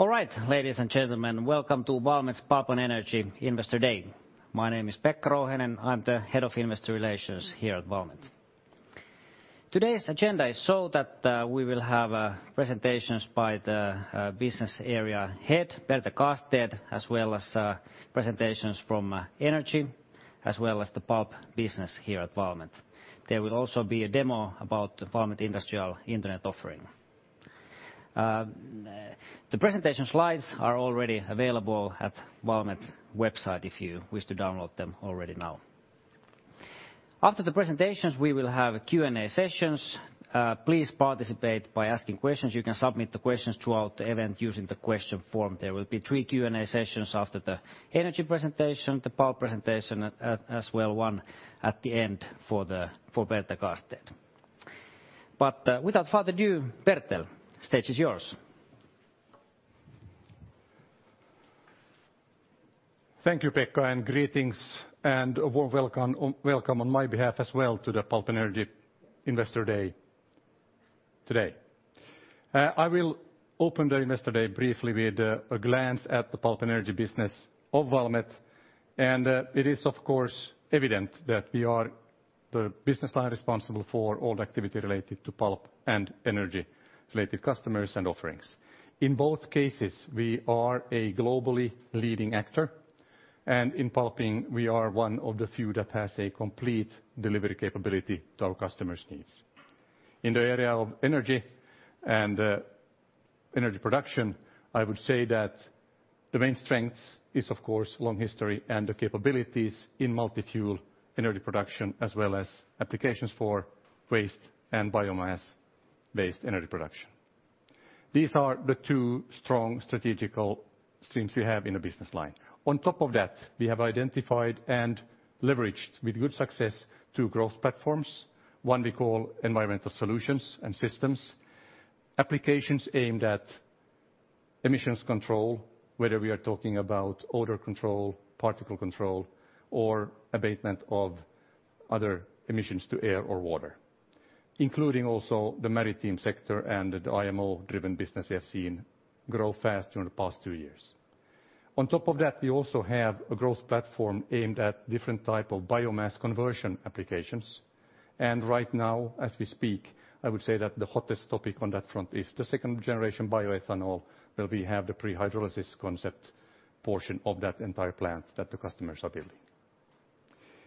All right, ladies and gentlemen. Welcome to Valmet's Pulp and Energy Investor Day. My name is Pekka Rouhiainen, I'm the Head of Investor Relations here at Valmet. Today's agenda is so that we will have presentations by the Business Area Head, Bertel Karlstedt, as well as presentations from Energy, as well as the Pulp business here at Valmet. There will also be a demo about the Valmet Industrial Internet offering. The presentation slides are already available at Valmet website if you wish to download them already now. After the presentations, we will have Q&A sessions. Please participate by asking questions. You can submit the questions throughout the event using the question form. There will be three Q&A sessions after the energy presentation, the pulp presentation, as well one at the end for Bertel Karlstedt. Without further ado, Bertel, stage is yours. Thank you, Pekka. Greetings and a warm welcome on my behalf as well to the Pulp and Energy Investor Day today. I will open the Investor Day briefly with a glance at the Pulp and Energy business of Valmet. It is, of course, evident that we are the business line responsible for all the activity related to Pulp and Energy-related customers and offerings. In both cases, we are a globally leading actor. In pulping we are one of the few that has a complete delivery capability to our customers' needs. In the area of energy and energy production, I would say that the main strength is, of course, long history and the capabilities in multi-fuel energy production, as well as applications for waste and biomass-based energy production. These are the two strong strategical streams we have in the business line. On top of that, we have identified and leveraged with good success two growth platforms. One we call environmental solutions and systems. Applications aimed at emissions control, whether we are talking about odor control, particle control, or abatement of other emissions to air or water, including also the maritime sector and the IMO-driven business we have seen grow fast during the past two years. On top of that, we also have a growth platform aimed at different type of biomass conversion applications, and right now, as we speak, I would say that the hottest topic on that front is the second-generation bioethanol, where we have the prehydrolysis concept portion of that entire plant that the customers are building.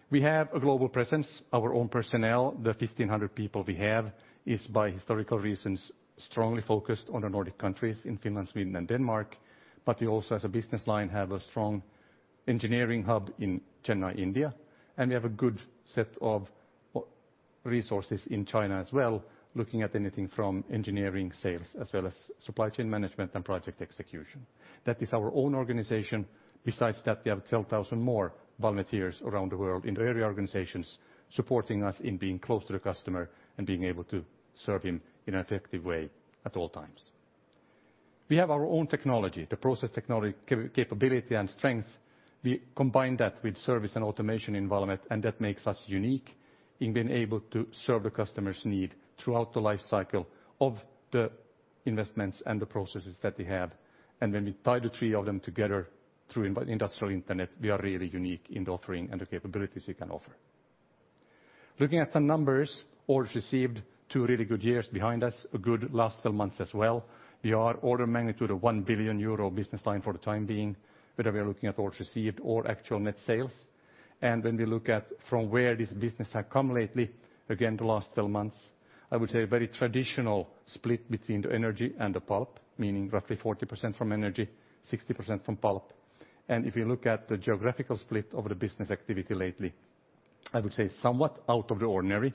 We have a global presence. Our own personnel, the 1,500 people we have, is by historical reasons strongly focused on the Nordic countries in Finland, Sweden, and Denmark. We also as a business line have a strong engineering hub in Chennai, India, and we have a good set of resources in China as well, looking at anything from engineering sales as well as supply chain management and project execution. That is our own organization. Besides that, we have 12,000 more Valmeters around the world in the area organizations supporting us in being close to the customer and being able to serve him in an effective way at all times. We have our own technology, the process technology capability and strength. We combine that with service and automation environment. That makes us unique in being able to serve the customer's need throughout the life cycle of the investments and the processes that we have. When we tie the three of them together through Industrial Internet, we are really unique in the offering and the capabilities we can offer. Looking at some numbers, orders received, two really good years behind us, a good last 12 months as well. We are order magnitude of 1 billion euro business line for the time being, whether we are looking at orders received or actual net sales. When we look at from where this business had come lately, again, the last 12 months, I would say a very traditional split between the Energy and the Pulp, meaning roughly 40% from Energy, 60% from Pulp. If you look at the geographical split of the business activity lately, I would say somewhat out of the ordinary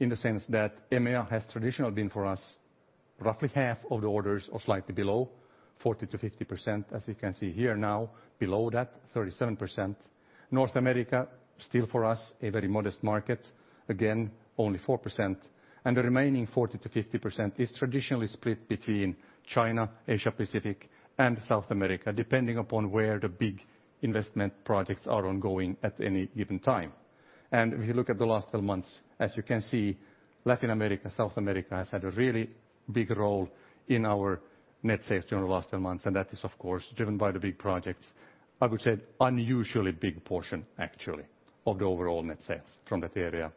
in the sense that EMEA has traditionally been for us roughly half of the orders or slightly below, 40%-50%, as you can see here now, below that, 37%. North America, still for us, a very modest market. Again, only 4%, the remaining 40%-50% is traditionally split between China, Asia Pacific, and South America, depending upon where the big investment projects are ongoing at any given time. If you look at the last 12 months, as you can see, Latin America, South America has had a really big role in our net sales during the last 12 months, and that is, of course, driven by the big projects. I would say unusually big portion, actually, of the overall net sales from that area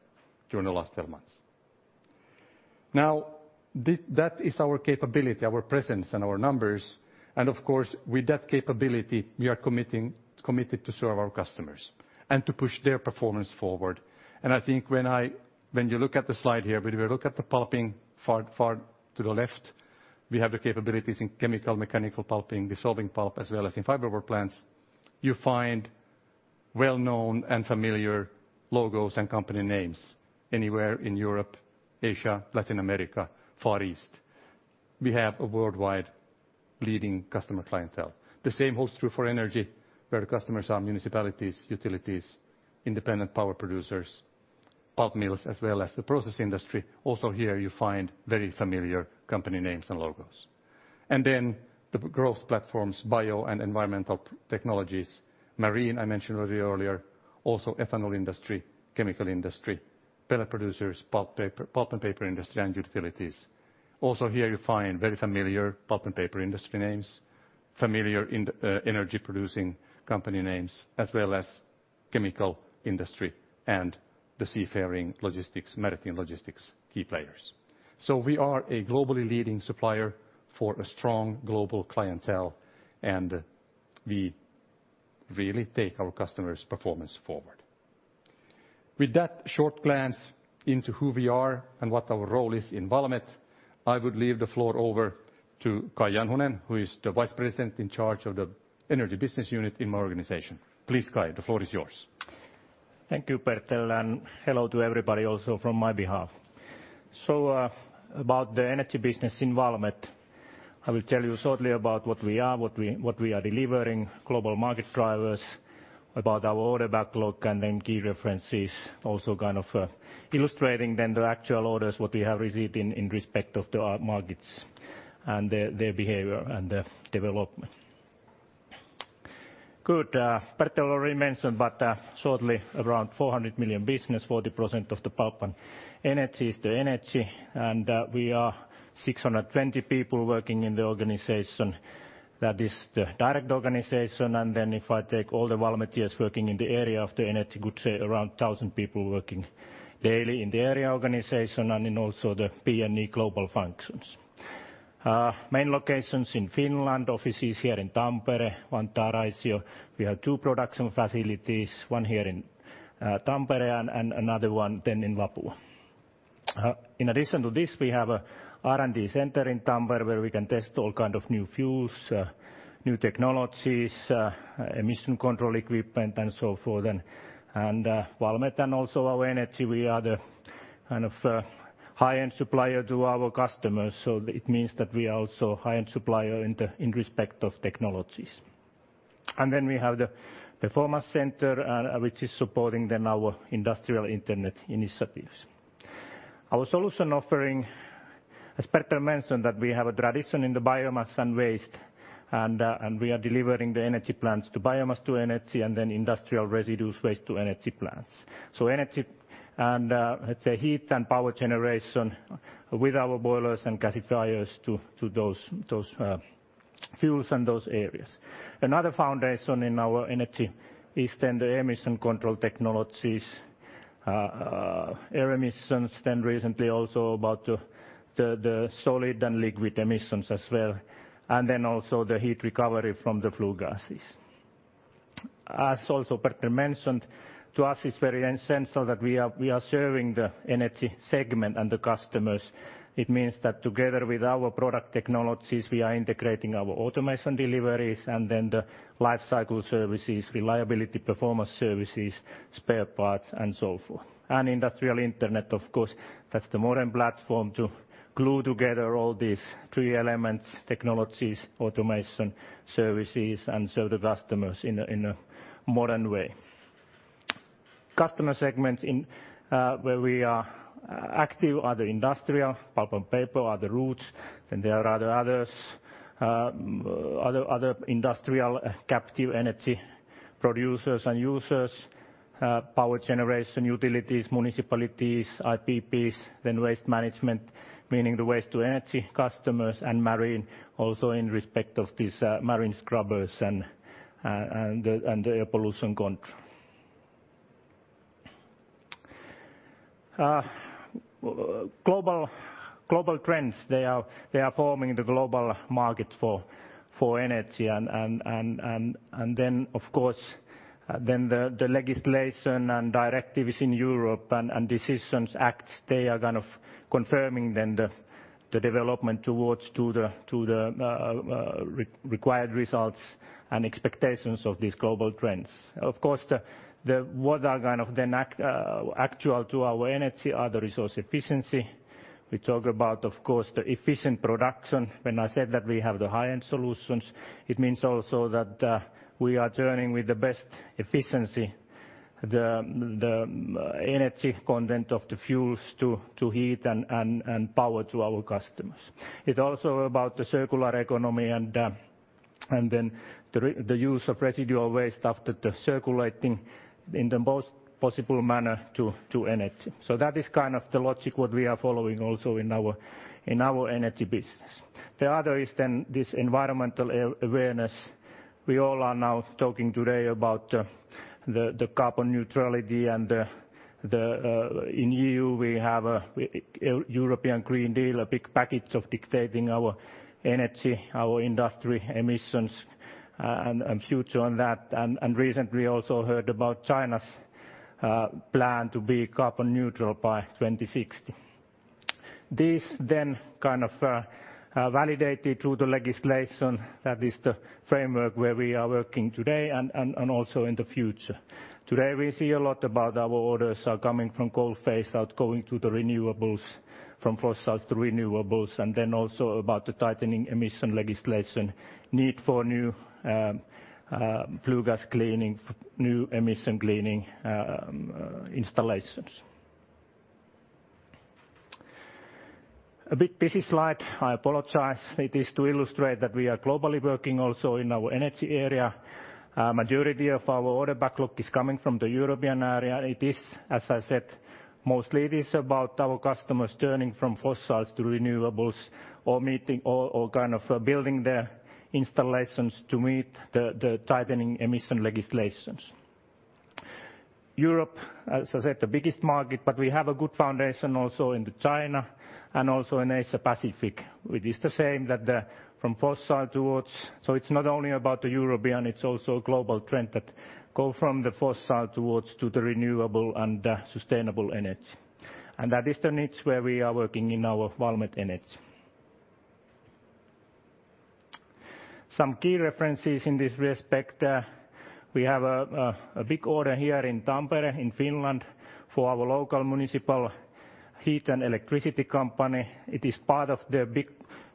during the last 12 months. That is our capability, our presence, and our numbers, and of course, with that capability, we are committed to serve our customers and to push their performance forward. I think when you look at the slide here, when we look at the pulping far to the left, we have the capabilities in chemical, mechanical pulping, dissolving pulp, as well as in fiberline plants. You find well-known and familiar logos and company names anywhere in Europe, Asia, Latin America, Far East. We have a worldwide leading customer clientele. The same holds true for energy, where the customers are municipalities, utilities, independent power producers, pulp mills, as well as the process industry. Also here you find very familiar company names and logos. The growth platforms, bio and environmental technologies. Marine, I mentioned a little earlier, also ethanol industry, chemical industry, pellet producers, pulp and paper industry, and utilities. Here you find very familiar pulp and paper industry names, familiar energy producing company names, as well as chemical industry and the seafaring logistics, maritime logistics key players. We are a globally leading supplier for a strong global clientele, and we really take our customers' performance forward. With that short glance into who we are and what our role is in Valmet, I would leave the floor over to Kai Janhunen, who is the Vice President in charge of the Energy Business Unit in my organization. Please, Kai, the floor is yours. Thank you, Bertel, hello to everybody also from my behalf. About the Energy Business in Valmet, I will tell you shortly about what we are, what we are delivering, global market drivers, about our order backlog, key references, also kind of illustrating the actual orders that we have received in respect of our markets and their behavior and their development. Good. Bertel already mentioned, shortly, around 400 million business, 40% of the Pulp and Energy is the energy, we are 620 people working in the organization. That is the direct organization. If I take all the Valmetians working in the area of the Energy, I could say around 1,000 people working daily in the area organization, and in also the P&E global functions. Main locations in Finland, offices here in Tampere, on Tarastenjärvi. We have two production facilities, one here in Tampere, and another one then in Lapua. In addition to this, we have an R&D center in Tampere where we can test all kinds of new fuels, new technologies, emission control equipment, and so forth. Valmet and also our Energy, we are the kind of high-end supplier to our customers, so it means that we are also high-end supplier in respect of technologies. Then we have the Performance Center, which is supporting then our Industrial Internet initiatives. Our solution offering, as Bertel mentioned, that we have a tradition in the biomass and waste, we are delivering the energy plants to biomass-to-energy, then industrial residues waste-to-energy plants. Energy, let's say heat and power generation with our boilers and gasifiers to those fuels and those areas. Another foundation in our energy is then the emission control technologies, air emissions, then recently also about the solid and liquid emissions as well, also the heat recovery from the flue gases. As also Bertel mentioned, to us it's very essential that we are serving the energy segment and the customers. It means that together with our product technologies, we are integrating our automation deliveries, the life cycle services, reliability performance services, spare parts, and so forth. Valmet Industrial Internet, of course, that's the modern platform to glue together all these three elements, technologies, automation, services, and serve the customers in a modern way. Customer segments where we are active are the industrial, pulp and paper are the roots. There are other industrial captive energy producers and users, power generation, utilities, municipalities, IPPs, waste management, meaning the waste-to-energy customers, and marine also in respect of these marine scrubbers and the air pollution control. Global trends, they are forming the global market for energy, and then, of course, then the legislation and directives in Europe, and decisions, acts, they are kind of confirming then the development towards to the required results and expectations of these global trends. Of course, what are kind of then actual to our energy are the resource efficiency. We talk about, of course, the efficient production. When I said that we have the high-end solutions, it means also that we are turning with the best efficiency the energy content of the fuels to heat and power to our customers. It's also about the circular economy and then the use of residual waste, after the circulating in the most possible manner to energy. That is kind of the logic what we are following also in our Energy business. The other is this environmental awareness. We all are now talking today about the carbon neutrality, and in EU, we have a European Green Deal, a big package of dictating our energy, our industry emissions, and future on that. Recently also heard about China's plan to be carbon neutral by 2060. This kind of validated through the legislation that is the framework where we are working today and also in the future. Today, we see a lot about our orders are coming from coal phase-out, going to the renewables, from fossils to renewables, and then also about the tightening emission legislation need for new flue gas cleaning, new emission cleaning installations. A bit busy slide, I apologize. It is to illustrate that we are globally working also in our Energy area. Majority of our order backlog is coming from the European area. It is, as I said, mostly it is about our customers turning from fossils to renewables or building their installations to meet the tightening emission legislations. Europe, as I said, the biggest market. We have a good foundation also in the China and also in Asia Pacific. It is the same that from fossil towards. It's not only about the European, it's also a global trend that go from the fossil towards to the renewable and sustainable energy. That is the niche where we are working in our Valmet Energy. Some key references in this respect. We have a big order here in Tampere, in Finland, for our local municipal heat and electricity company. It is part of the big,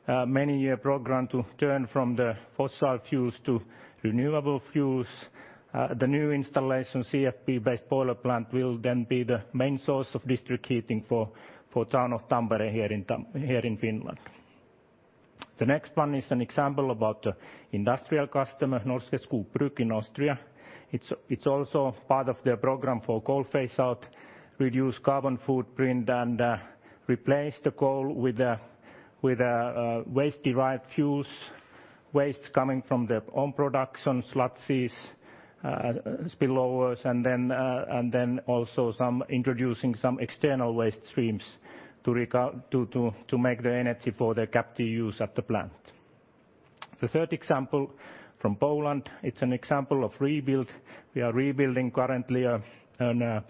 many-year program to turn from the fossil fuels to renewable fuels. The new installation CFB-based boiler plant will then be the main source of district heating for town of Tampere here in Finland. The next one is an example about the industrial customer, Norske Skog Bruck in Austria. It's also part of their program for coal phase-out, reduce carbon footprint and replace the coal with a waste-derived fuels, wastes coming from their own production, spillovers, and then also introducing some external waste streams to make the energy for their captive use at the plant. The third example from Poland, it's an example of rebuild. We are rebuilding currently an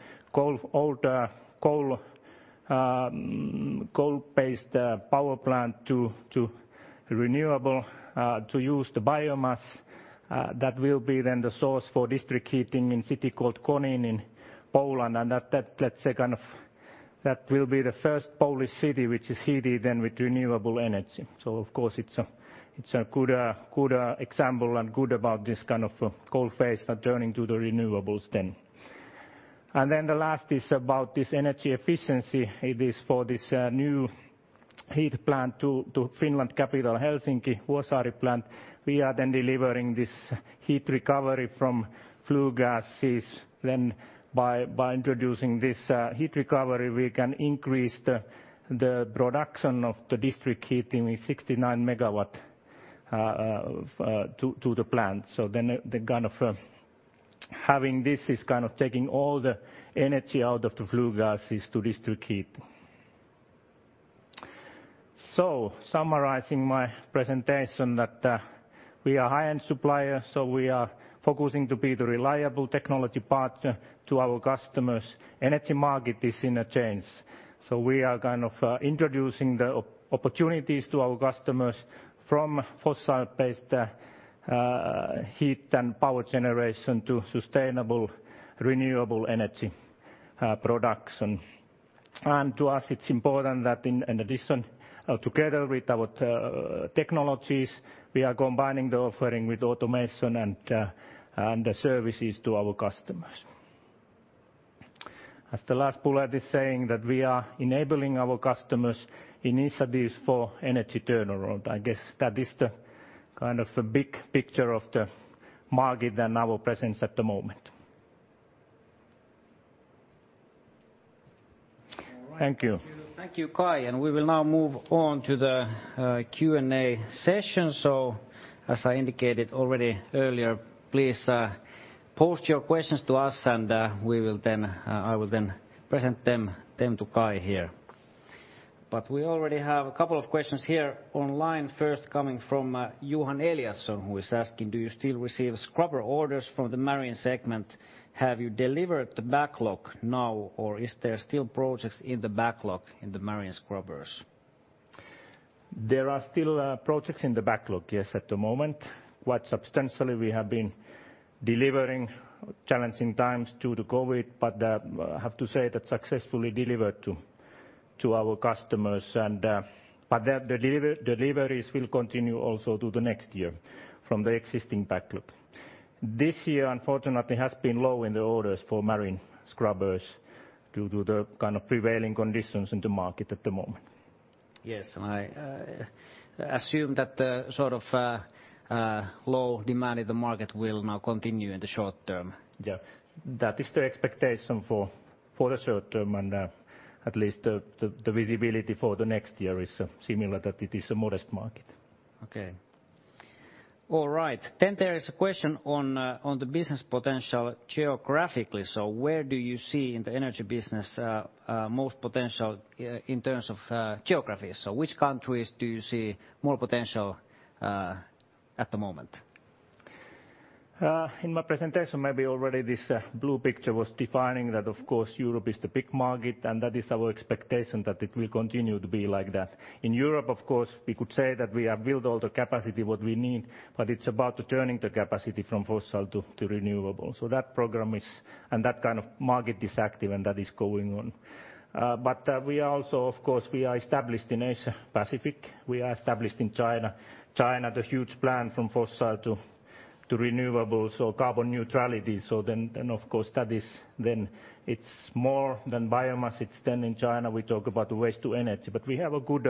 older coal-based power plant to renewable to use the biomass. That will be then the source for district heating in city called Konin in Poland. That will be the first Polish city which is heated then with renewable energy. Of course it's a good example and good about this kind of coal phase turning to the renewables then. The last is about this energy efficiency. It is for this new heat plant to Finland capital Helsinki, Vuosaari Plant. We are then delivering this heat recovery from flue gases. By introducing this heat recovery, we can increase the production of the district heating with 69 MW to the plant. Having this is taking all the energy out of the flue gases to district heat. Summarizing my presentation that we are high-end supplier, we are focusing to be the reliable technology partner to our customers. Energy market is in a change. We are introducing the opportunities to our customers from fossil-based heat and power generation to sustainable renewable energy production. To us, it's important that in addition, together with our technologies, we are combining the offering with automation and the services to our customers. As the last bullet is saying that we are enabling our customers initiatives for energy turnaround. I guess that is the big picture of the market and our presence at the moment. Thank you. Thank you, Kai, and we will now move on to the Q&A session. As I indicated already earlier, please post your questions to us and I will then present them to Kai here. We already have a couple of questions here online. First coming from Johan Eliason, who is asking, do you still receive scrubber orders from the marine segment? Have you delivered the backlog now, or is there still projects in the backlog in the marine scrubbers? There are still projects in the backlog, yes, at the moment. Quite substantially, we have been delivering challenging times due to COVID, but I have to say that successfully delivered to our customers. The deliveries will continue also to the next year from the existing backlog. This year, unfortunately, has been low in the orders for marine scrubbers due to the prevailing conditions in the market at the moment. Yes, I assume that the low demand in the market will now continue in the short-term. Yeah. That is the expectation for the short-term, and at least the visibility for the next year is similar that it is a modest market. Okay. All right. There is a question on the business potential geographically. Where do you see in the Energy business most potential in terms of geography? Which countries do you see more potential at the moment? In my presentation, maybe already this blue picture was defining that, of course, Europe is the big market, and that is our expectation that it will continue to be like that. In Europe, of course, we could say that we have built all the capacity what we need, but it's about turning the capacity from fossil to renewable. That program is, and that kind of market is active and that is going on. We are also, of course, we are established in Asia Pacific. We are established in China. China, the huge plan from fossil to renewable, so carbon neutrality. Of course, it's more than biomass. It's then in China, we talk about the waste to energy. We have a good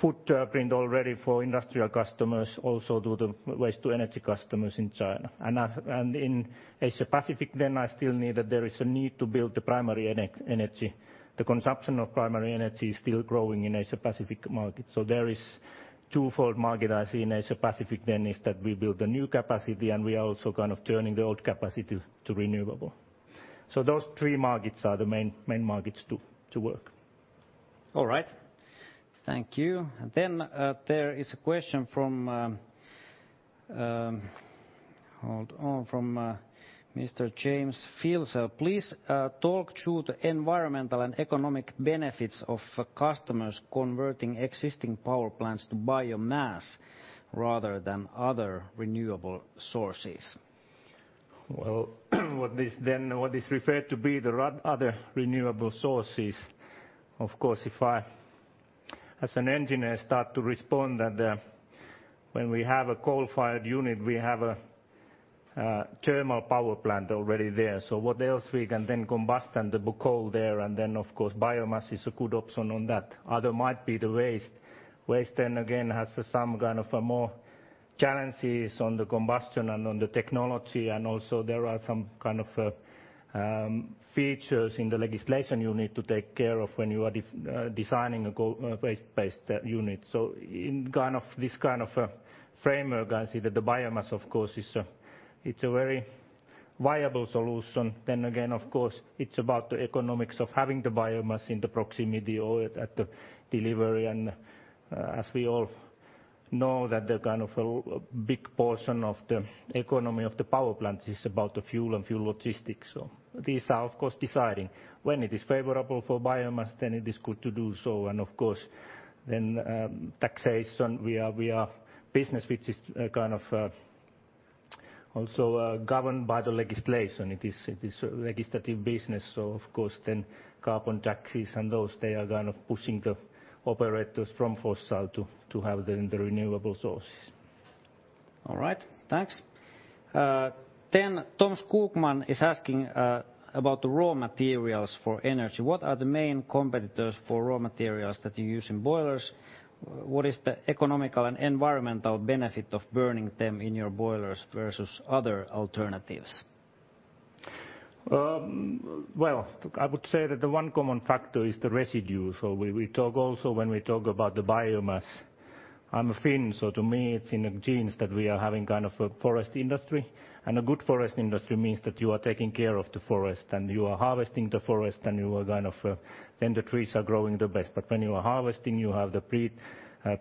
footprint already for industrial customers, also to the waste-to-energy customers in China. In Asia Pacific, there is a need to build the primary energy. The consumption of primary energy is still growing in Asia Pacific market. There is twofold market I see in Asia Pacific then, is that we build the new capacity, and we are also turning the old capacity to renewable. Those three markets are the main markets to work. All right. Thank you. There is a question from, hold on, from Mr. James Filsell. Please talk through the environmental and economic benefits of customers converting existing power plants to biomass rather than other renewable sources. Well, what is referred to be the other renewable sources, of course, if I, as an engineer, start to respond that when we have a coal-fired unit, we have a thermal power plant already there, what else we can then combust the coal there, of course, biomass is a good option on that. Other might be the waste. Waste again, has some more challenges on the combustion and on the technology, also there are some kind of features in the legislation you need to take care of when you are designing a waste-based unit. In this kind of a framework, I see that the biomass, of course, it's a very viable solution. Again, of course, it's about the economics of having the biomass in the proximity or at the delivery, and as we all know, that the big portion of the economy of the power plant is about the fuel and fuel logistics. These are, of course, deciding when it is favorable for biomass, then it is good to do so, and of course, then taxation. We are a business which is also governed by the legislation. It is a legislative business, so of course, then carbon taxes and those, they are pushing the operators from fossil to have the renewable sources. All right. Thanks. Tom Skogman is asking about raw materials for energy. What are the main competitors for raw materials that you use in boilers? What is the economical and environmental benefit of burning them in your boilers versus other alternatives? I would say that the one common factor is the residue. We talk also when we talk about the biomass. I'm a Finn, so to me, it's in the genes that we are having a forest industry, and a good forest industry means that you are taking care of the forest, and you are harvesting the forest, and then the trees are growing the best. When you are harvesting, you have the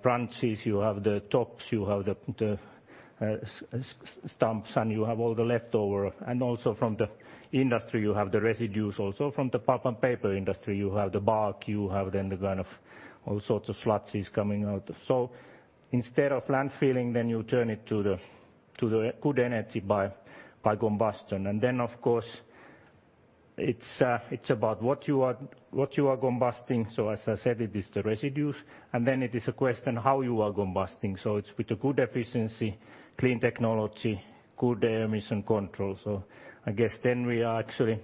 branches, you have the tops, you have the stumps, and you have all the leftover. Also from the industry, you have the residues, also from the pulp and paper industry, you have the bark. You have then all sorts of sludges coming out. Instead of landfilling, then you turn it to the good energy by combustion. Of course, it's about what you are combusting, so as I said, it is the residues, and then it is a question how you are combusting. It's with a good efficiency, clean technology, good emission control. I guess then we are actually,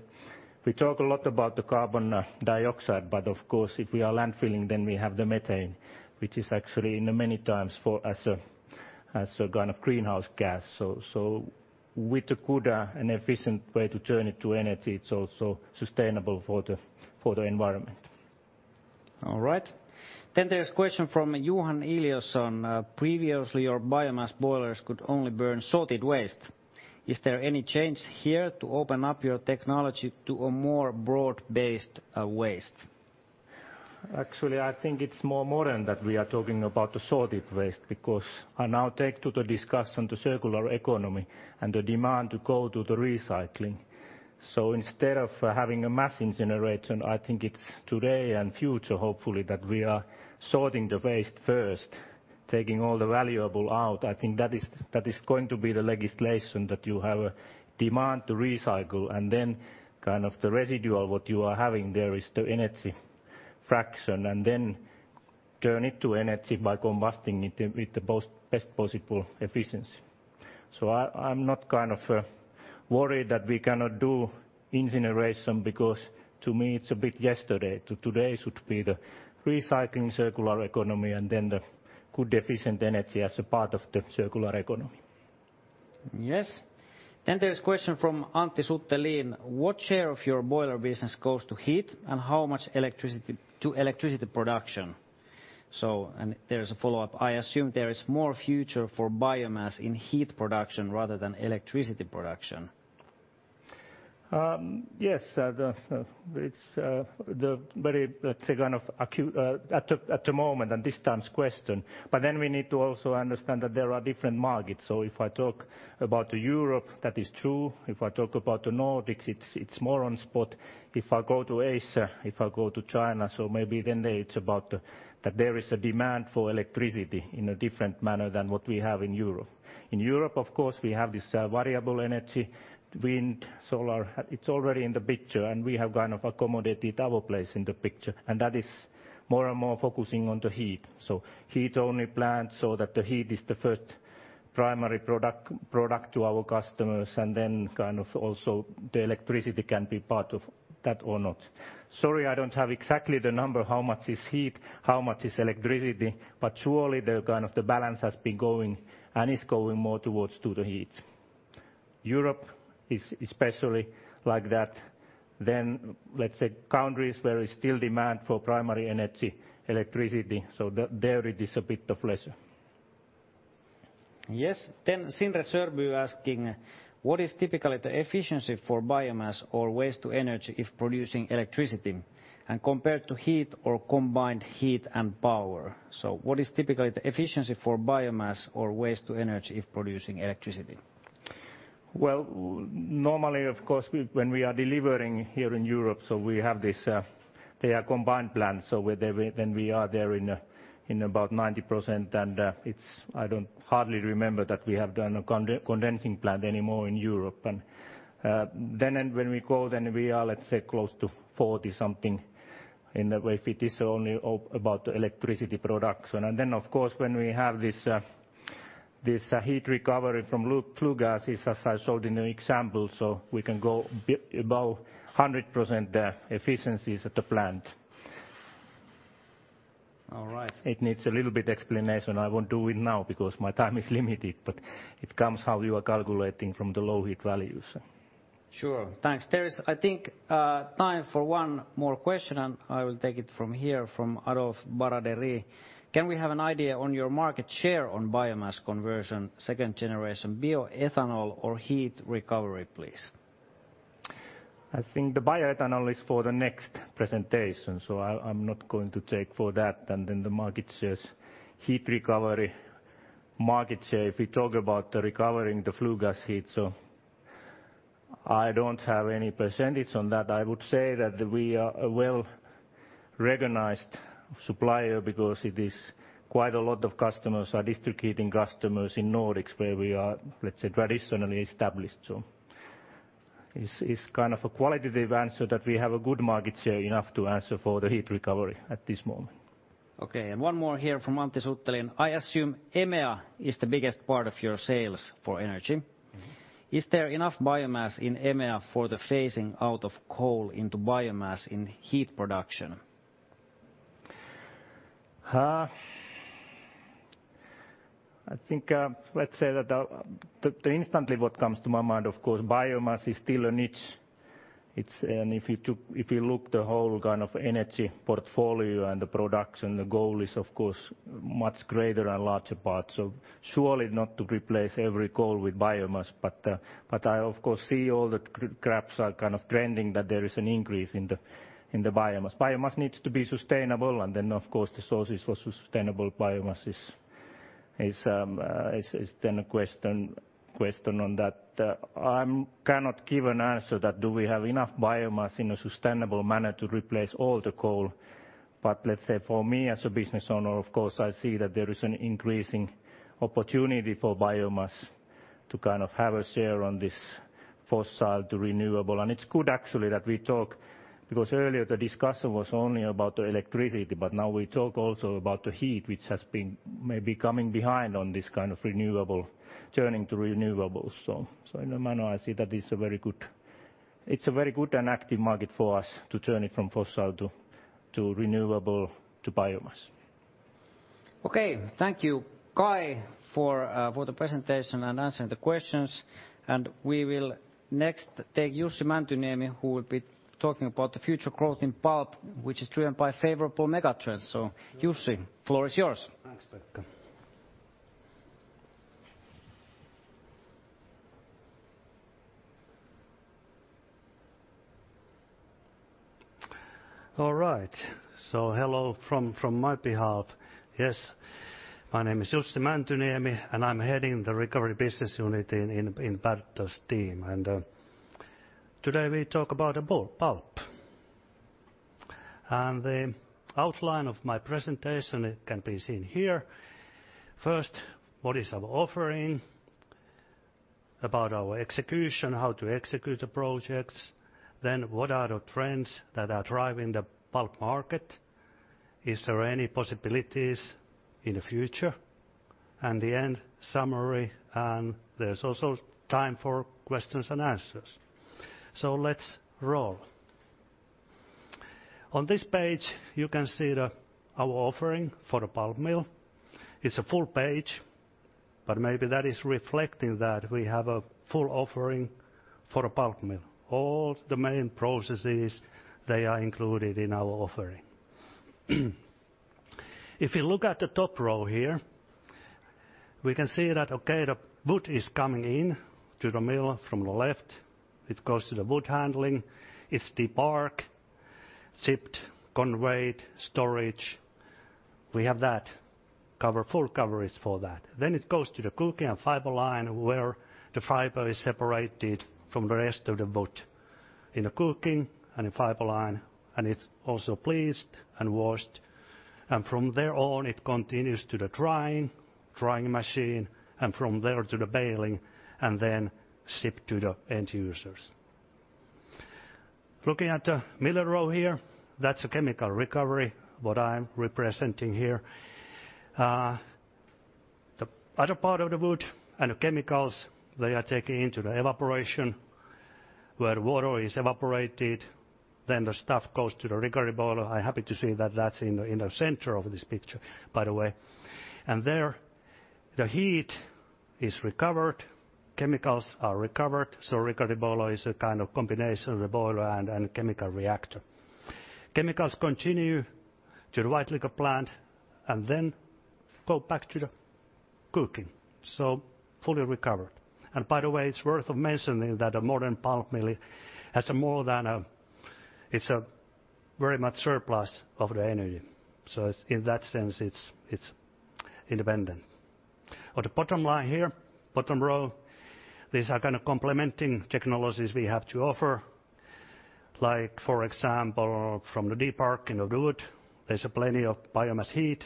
we talk a lot about the carbon dioxide, but of course, if we are landfilling, then we have the methane, which is actually many times as a kind of greenhouse gas. With a good and efficient way to turn it to energy, it's also sustainable for the environment. All right. There's a question from Johan Eliason. Previously, your biomass boilers could only burn sorted waste. Is there any change here to open up your technology to a more broad-based waste? I think it's more modern that we are talking about the sorted waste, because I now take to the discussion the circular economy and the demand to go to the recycling. Instead of having a mass incineration, I think it's today and future, hopefully, that we are sorting the waste first, taking all the valuable out. I think that is going to be the legislation, that you have a demand to recycle, and then the residual, what you are having there is the energy fraction, and then turn it to energy by combusting it with the best possible efficiency. I'm not worried that we cannot do incineration, because to me, it's a bit yesterday. Today should be the recycling circular economy and then the good efficient energy as a part of the circular economy. Yes. There's a question from Antti Suttelin. What share of your boiler business goes to heat, and how much to electricity production? There's a follow-up. I assume there is more future for biomass in heat production rather than electricity production. It's very acute at the moment and this time's question. We need to also understand that there are different markets. If I talk about Europe, that is true. If I talk about the Nordics, it's more on spot. If I go to Asia, if I go to China, maybe then it's about that there is a demand for electricity in a different manner than what we have in Europe. In Europe, of course, we have this variable energy, wind, solar. It's already in the picture, and we have accommodated our place in the picture, and that is more and more focusing on the heat. Heat-only plant, so that the heat is the first primary product to our customers, and then also the electricity can be part of that or not. Sorry, I don't have exactly the number, how much is heat, how much is electricity. Surely the balance has been going and is going more towards to the heat. Europe is especially like that. Let's say, countries where there's still demand for primary energy, electricity, there it is a bit of lesser. Yes. Sindre Sørbye asking, "What is typically the efficiency for biomass or waste to energy if producing electricity, and compared to heat or combined heat and power?" What is typically the efficiency for biomass or waste to energy if producing electricity? Well, normally, of course, when we are delivering here in Europe, so we have this, they are combined plants, so then we are there in about 90%, and I don't hardly remember that we have done a condensing plant anymore in Europe. When we go, then we are, let's say, close to 40-something, if it is only about the electricity production. Of course, when we have this heat recovery from flue gas, as I showed in the example, so we can go above 100% efficiencies at the plant. All right. It needs a little bit explanation. I won't do it now because my time is limited. It comes how you are calculating from the low heat values. Sure. Thanks. There is, I think, time for one more question, and I will take it from here from Adolfo Baradit. "Can we have an idea on your market share on biomass conversion, second generation bioethanol or heat recovery, please? I think the bioethanol is for the next presentation, so I'm not going to take for that, and then the market shares, heat recovery market share. If we talk about recovering the flue gas heat, I don't have any percentage on that. I would say that we are a well-recognized supplier because it is quite a lot of customers are distributing customers in Nordics, where we are, let's say, traditionally established. It's kind of a qualitative answer that we have a good market share enough to answer for the heat recovery at this moment. Okay, one more here from Antti Suttelin. "I assume EMEA is the biggest part of your sales for energy. Is there enough biomass in EMEA for the phasing out of coal into biomass in heat production? I think, let's say that instantly what comes to my mind, of course, biomass is still a niche. If you look the whole kind of energy portfolio and the production, the goal is, of course, much greater and larger part. Surely not to replace every coal with biomass. I, of course, see all the graphs are kind of trending that there is an increase in the biomass. Biomass needs to be sustainable. Of course, the sources for sustainable biomass is then a question on that. I cannot give an answer that do we have enough biomass in a sustainable manner to replace all the coal. Let's say for me as a business owner, of course, I see that there is an increasing opportunity for biomass to have a share on this fossil to renewable. It's good actually that we talk, because earlier the discussion was only about the electricity, but now we talk also about the heat, which has been maybe coming behind on this kind of renewable, turning to renewables. In a manner, I see that it's a very good and active market for us to turn it from fossil to renewable to biomass. Okay. Thank you, Kai, for the presentation and answering the questions. We will next take Jussi Mäntyniemi, who will be talking about the future growth in pulp, which is driven by favorable mega trends. Jussi, floor is yours. Thanks, Pekka. All right. Hello from my behalf. Yes, my name is Jussi Mäntyniemi, and I'm heading the Recovery Business Unit in Bertel's team. Today we talk about the pulp. The outline of my presentation can be seen here. First, what is our offering, about our execution, how to execute the projects, then what are the trends that are driving the pulp market? Is there any possibilities in the future? The end summary, and there's also time for questions-and-answers. Let's roll. On this page, you can see our offering for a pulp mill. It's a full page, but maybe that is reflecting that we have a full offering for a pulp mill. All the main processes, they are included in our offering. If you look at the top row here, we can see that, okay, the wood is coming in to the mill from the left. It goes to the wood handling. It's debarked, chipped, conveyed, storage. We have that, full coverage for that. Then it goes to the cooking and fiberline, where the fiber is separated from the rest of the wood in a cooking and a fiberline, and it's also bleached and washed. From there on, it continues to the drying machine, and from there to the baling, and then shipped to the end users. Looking at the middle row here, that's a chemical recovery, what I'm representing here. The other part of the wood and the chemicals, they are taken into the evaporation where water is evaporated, then the stuff goes to the recovery boiler. I'm happy to see that that's in the center of this picture, by the way. There, the heat is recovered, chemicals are recovered. recovery boiler is a kind of combination of the boiler and chemical reactor. Chemicals continue to the white liquor plant and then go back to the cooking, so fully recovered. By the way, it's worth mentioning that a modern pulp mill, it's very much surplus of the energy. In that sense, it's independent. On the bottom line here, bottom row, these are kind of complementing technologies we have to offer. Like for example, from the deparking of the wood, there's plenty of biomass heat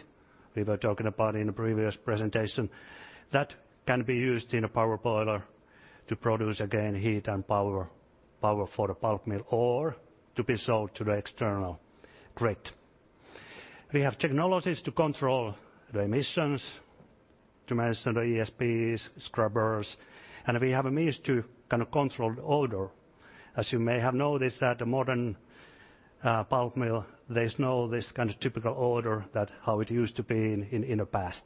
we were talking about in the previous presentation. That can be used in a power boiler to produce, again, heat and power for the pulp mill, or to be sold to the external grid. We have technologies to control the emissions, to manage the ESPs, scrubbers, and we have a means to control the odor. As you may have noticed that the modern pulp mill, there's no typical odor how it used to be in the past.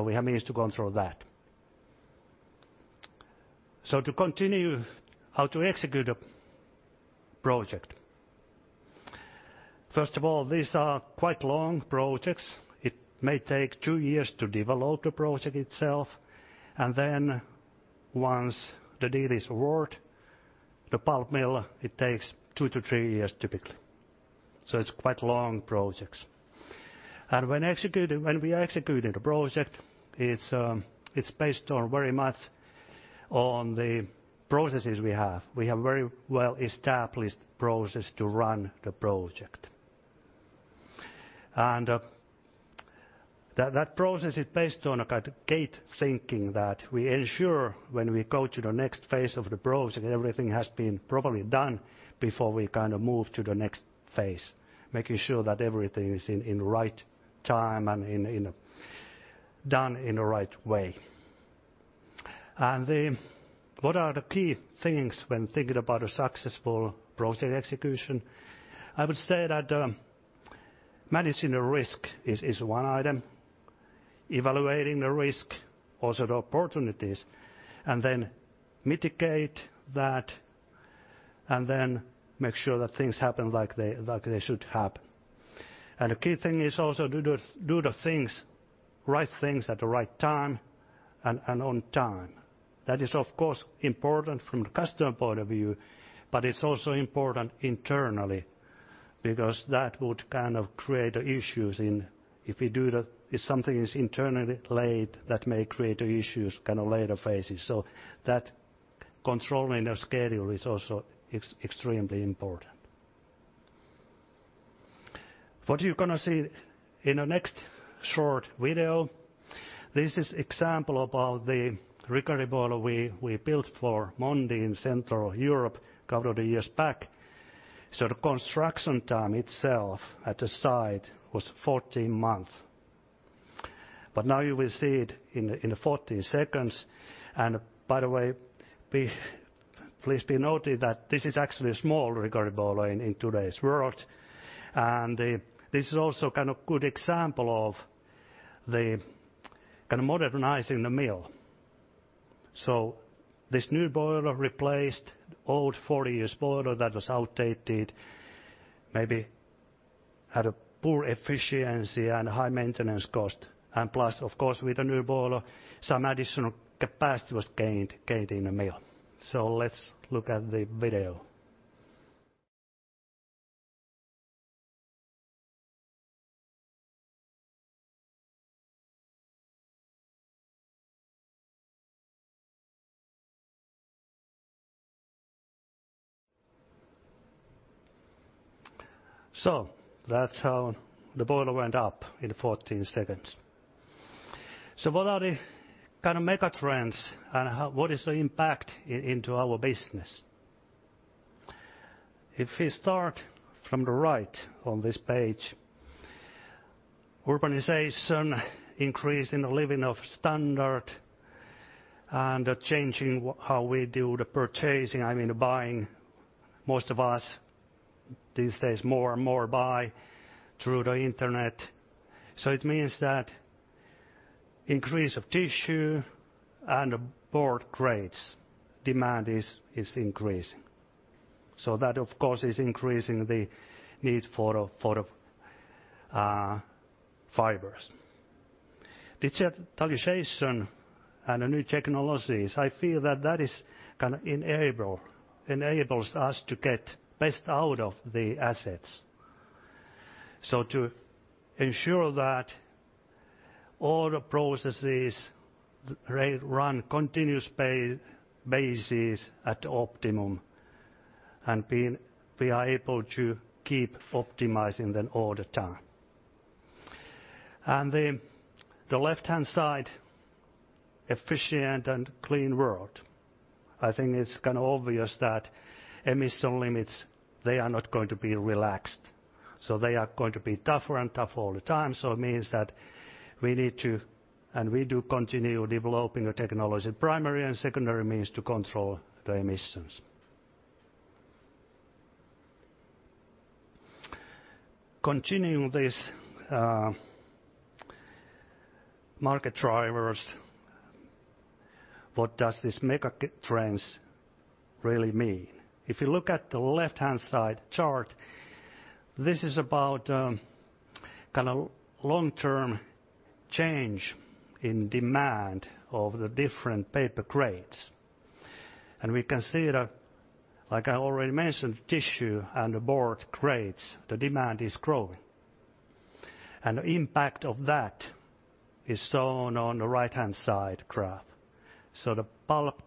We have means to control that. to continue how to execute a project. First of all, these are quite long projects. It may take two years to develop the project itself. Once the deal is awarded, the pulp mill, it takes two to three years typically. It's quite long projects. When we are executing the project, it's based very much on the processes we have. We have very well-established process to run the project. That process is based on a kind of gate thinking that we ensure when we go to the next phase of the project, everything has been properly done before we move to the next phase, making sure that everything is in right time and done in the right way. What are the key things when thinking about a successful project execution? I would say that managing the risk is one item. Evaluating the risk, also the opportunities, and then mitigate that, and then make sure that things happen like they should happen. The key thing is also do the right things at the right time and on time. That is, of course, important from the customer point of view, but it's also important internally because that would kind of create issues if something is internally late, that may create issues kind of later phases. That controlling the schedule is also extremely important. What you're going to see in the next short video, this is example about the recovery boiler we built for Mondi in Central Europe a couple of years back. The construction time itself at the site was 14 months. Now you will see it in the 14 seconds. By the way, please be noted that this is actually a small recovery boiler in today's world. This is also a good example of the modernizing the mill. This new boiler replaced old 40 years boiler that was outdated, maybe had a poor efficiency and high maintenance cost. Plus, of course, with the new boiler, some additional capacity was gained in the mill. Let's look at the video. That's how the boiler went up in 14 seconds. What are the kind of mega trends, and what is the impact into our business? If we start from the right on this page, urbanization, increase in the standard of living, and the changing how we do the purchasing, I mean buying, most of us these days more and more buy through the internet. It means that increase of tissue and board grades demand is increasing. That, of course, is increasing the need for the fibers. Digitalization and the new technologies, I feel that that enables us to get best out of the assets. To ensure that all the processes run continuous basis at optimum, and we are able to keep optimizing them all the time. The left-hand side, efficient and clean world. I think it's obvious that emission limits, they are not going to be relaxed. They are going to be tougher and tougher all the time. It means that we need to, and we do continue developing a technology primary and secondary means to control the emissions. Continuing these market drivers, what does this mega trends really mean? If you look at the left-hand side chart, this is about long-term change in demand of the different paper grades. We can see that, like I already mentioned, tissue and the board grades, the demand is growing. The impact of that is shown on the right-hand side graph. The pulp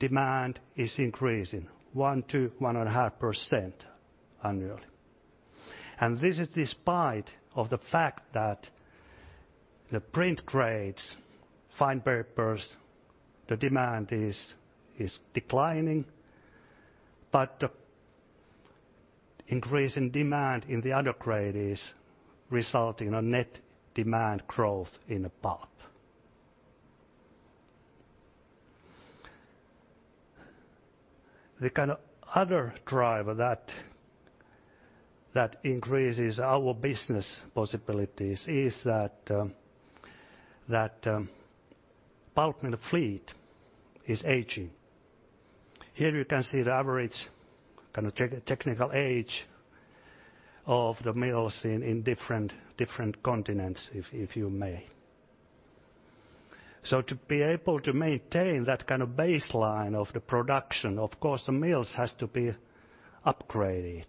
demand is increasing 1%-1.5% annually. This is despite of the fact that the print grades, fine papers, the demand is declining, but the increase in demand in the other grade is resulting in a net demand growth in the pulp. The other driver that increases our business possibilities is that pulp mill fleet is aging. Here you can see the average technical age of the mills in different continents, if you may. To be able to maintain that baseline of the production, of course, the mills has to be upgraded.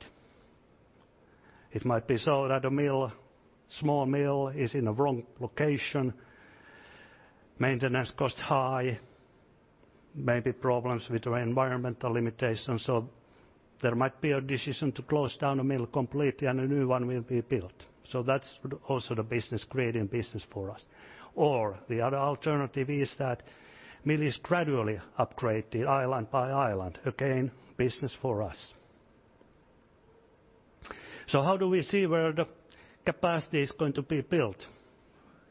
It might be so that a small mill is in a wrong location, maintenance cost high, maybe problems with environmental limitations. There might be a decision to close down a mill completely and a new one will be built. That's also the business creating business for us. The other alternative is that mill is gradually upgraded island by island. Again, business for us. How do we see where the capacity is going to be built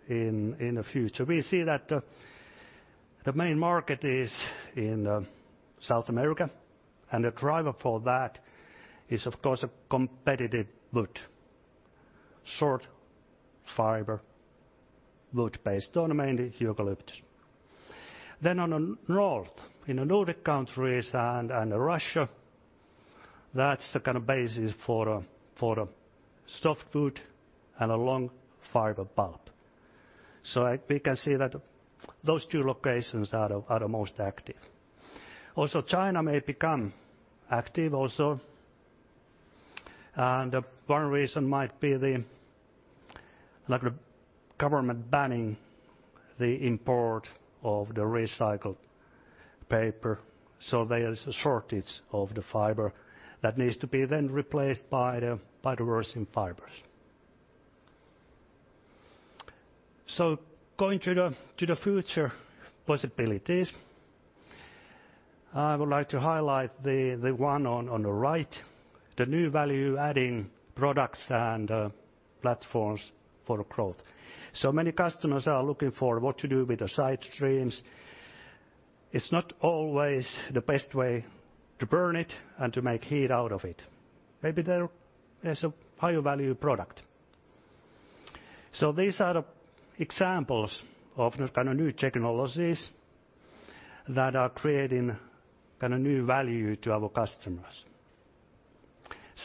in the future? We see that the main market is in South America, and the driver for that is, of course, a competitive wood. Short fiber wood base, predominantly eucalyptus. On the north, in the Nordic countries and Russia, that's the basis for a softwood and a long fiber pulp. We can see that those two locations are the most active. Also, China may become active also, and one reason might be the government banning the import of the recycled paper. There is a shortage of the fiber that needs to be then replaced by the virgin fibers. Going to the future possibilities, I would like to highlight the one on the right, the new value-adding products and platforms for growth. Many customers are looking for what to do with the side streams. It's not always the best way to burn it and to make heat out of it. Maybe there is a higher value product. These are the examples of the new technologies that are creating new value to our customers.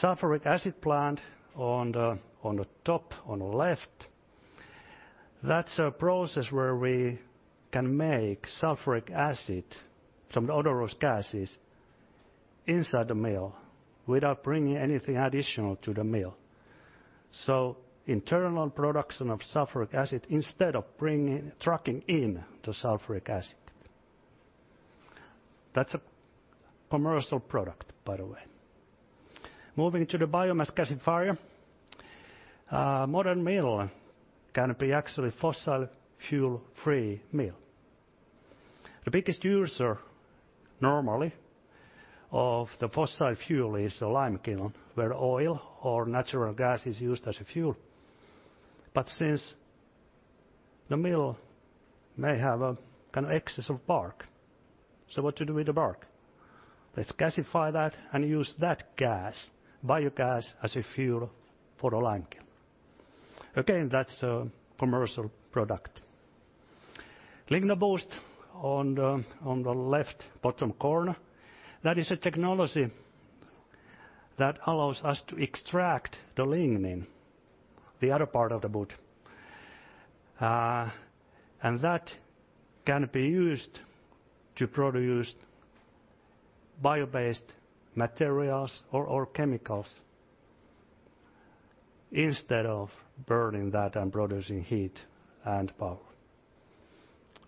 Sulfuric Acid Plant on the top on the left, that's a process where we can make sulfuric acid from the odorous gases inside the mill without bringing anything additional to the mill. Internal production of sulfuric acid instead of trucking in the sulfuric acid. That's a commercial product, by the way. Moving to the Valmet Gasifier. A modern mill can be actually fossil fuel-free mill. The biggest user normally of the fossil fuel is a lime kiln where oil or natural gas is used as a fuel. Since the mill may have an excess of bark, so what to do with the bark? Let's gasify that and use that gas, biogas, as a fuel for the lime kiln. Again, that's a commercial product. LignoBoost on the left bottom corner, that is a technology that allows us to extract the lignin, the other part of the wood. That can be used to produce bio-based materials or chemicals instead of burning that and producing heat and power.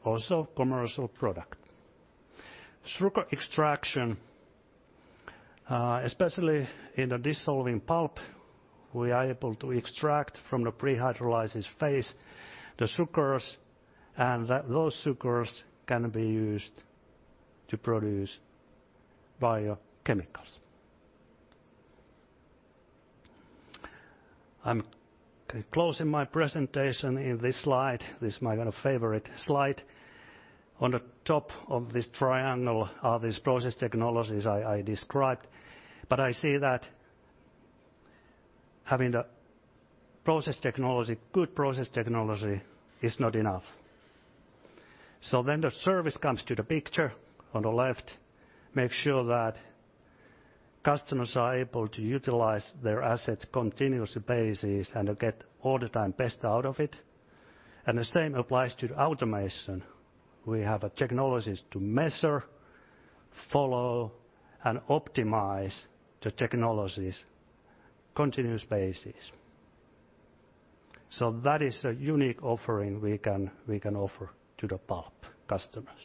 Also commercial product. Sugar extraction. Especially in the dissolving pulp, we are able to extract from the pre-hydrolysis phase the sugars, and those sugars can be used to produce biochemicals. I'm closing my presentation in this slide. This is my favorite slide. On the top of this triangle are these process technologies I described, but I see that having good process technology is not enough. The service comes to the picture on the left, makes sure that customers are able to utilize their assets continuously, and they get all the time best out of it. The same applies to automation. We have technologies to measure, follow, and optimize the technologies continuous basis. That is a unique offering we can offer to the pulp customers.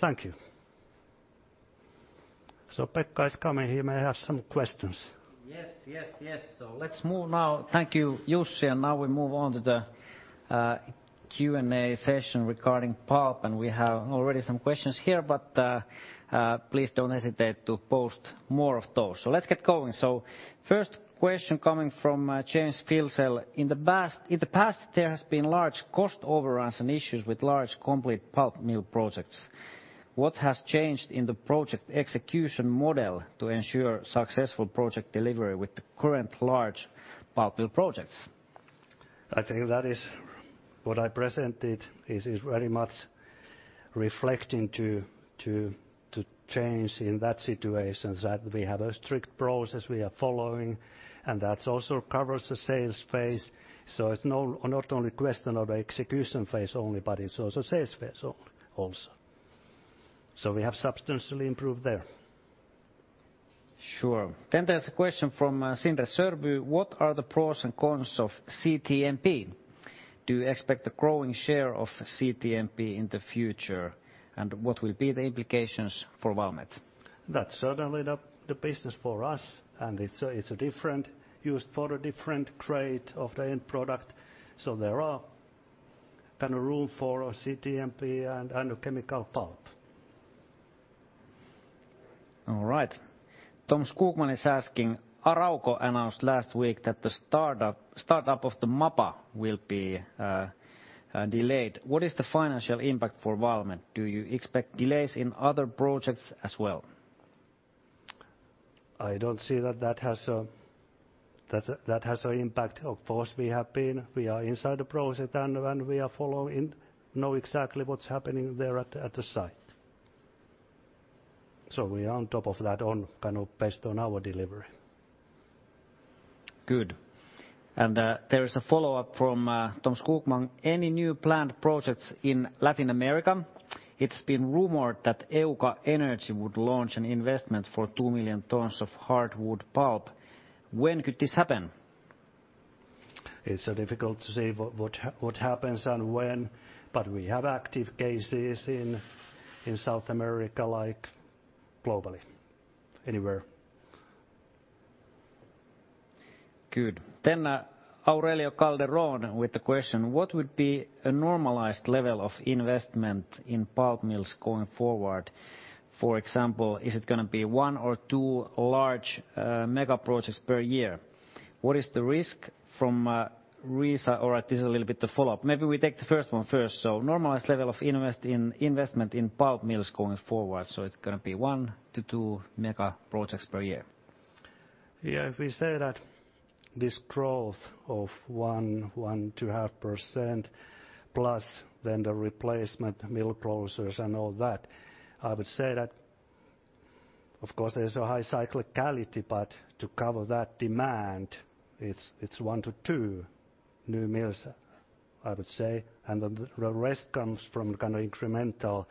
Thank you. Pekka is coming. He may have some questions. Yes. Let's move now. Thank you, Jussi. Now we move on to the Q&A session regarding pulp. We have already some questions here. Please don't hesitate to post more of those. Let's get going. First question coming from James Filsell. In the past, there has been large cost overruns and issues with large complete pulp mill projects. What has changed in the project execution model to ensure successful project delivery with the current large pulp mill projects? I think what I presented is very much reflecting the change in that situation, that we have a strict process we are following, and that also covers the sales phase. It's not only question of execution phase only, but it's also sales phase also. We have substantially improved there. Sure. There's a question from Sindre Sørbye. What are the pros and cons of CTMP? Do you expect a growing share of CTMP in the future? What will be the implications for Valmet? That's certainly the business for us, and it's used for a different grade of the end product. There are kind of room for CTMP and chemical pulp. All right. Tom Skogman is asking, Arauco announced last week that the startup of the MAPA will be delayed. What is the financial impact for Valmet? Do you expect delays in other projects as well? I don't see that that has an impact. Of course, we are inside the project, and we are following, know exactly what's happening there at the site. We are on top of that based on our delivery. Good. There is a follow-up from Tom Skogman. Any new planned projects in Latin America? It's been rumored that Euca Energy would launch an investment for 2 million tons of hardwood pulp. When could this happen? It's difficult to say what happens and when, but we have active cases in South America, like globally, anywhere. Good. Aurelio Calderon with the question: What would be a normalized level of investment in pulp mills going forward? For example, is it going to be one or two large mega projects per year? All right, this is a little bit the follow-up. Maybe we take the first one first. Normalized level of investment in pulp mills going forward. It's going to be one to two mega projects per year. Yeah. If we say that this growth of 1%-2%, plus then the replacement mill closures and all that, I would say that, of course, there's a high cyclicality, but to cover that demand, it's one to two new mills, I would say, and the rest comes from kind of incremental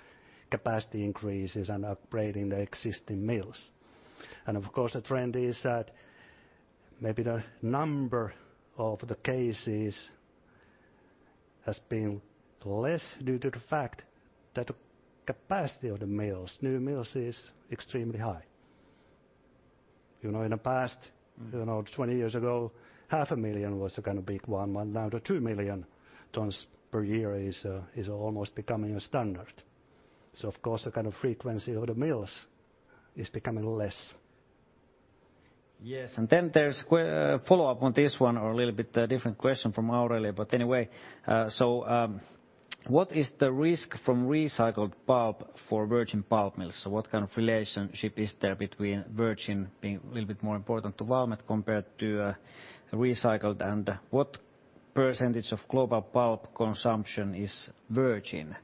capacity increases and upgrading the existing mills. Of course, the trend is that maybe the number of the cases has been less due to the fact that the capacity of the new mills is extremely high. In the past, 20 years ago, half a million was a kind of big one. Now the 2 million tons per year is almost becoming a standard. Of course, the kind of frequency of the mills is becoming less. Yes. Then there's a follow-up on this one, or a little bit different question from Aurelio. Anyway, what is the risk from recycled pulp for virgin pulp mills? What kind of relationship is there between virgin being a little bit more important to Valmet compared to recycled? What percentage of global pulp consumption is virgin?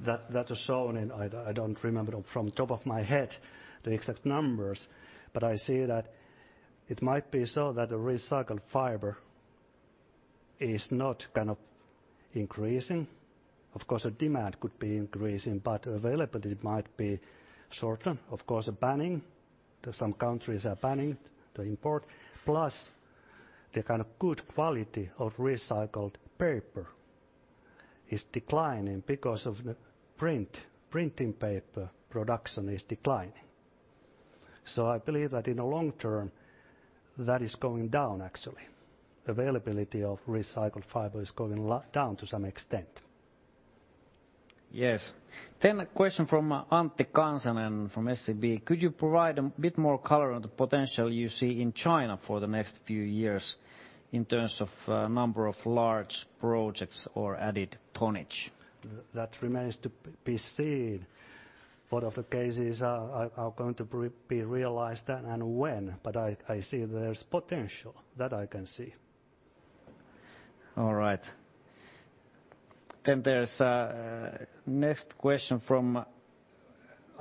That is shown. I don't remember from top of my head the exact numbers, but I see that it might be so that the recycled fiber is not kind of increasing. Of course, the demand could be increasing, availability might be shortened. Of course, the banning. Some countries are banning the import. Plus the kind of good quality of recycled paper is declining because of the printing paper production is declining. I believe that in the long-term, that is going down actually. Availability of recycled fiber is going down to some extent. Yes. A question from Antti Kansanen and from SEB. Could you provide a bit more color on the potential you see in China for the next few years in terms of number of large projects or added tonnage? That remains to be seen. What of the cases are going to be realized and when? I see there's potential. That I can see. All right. There's next question from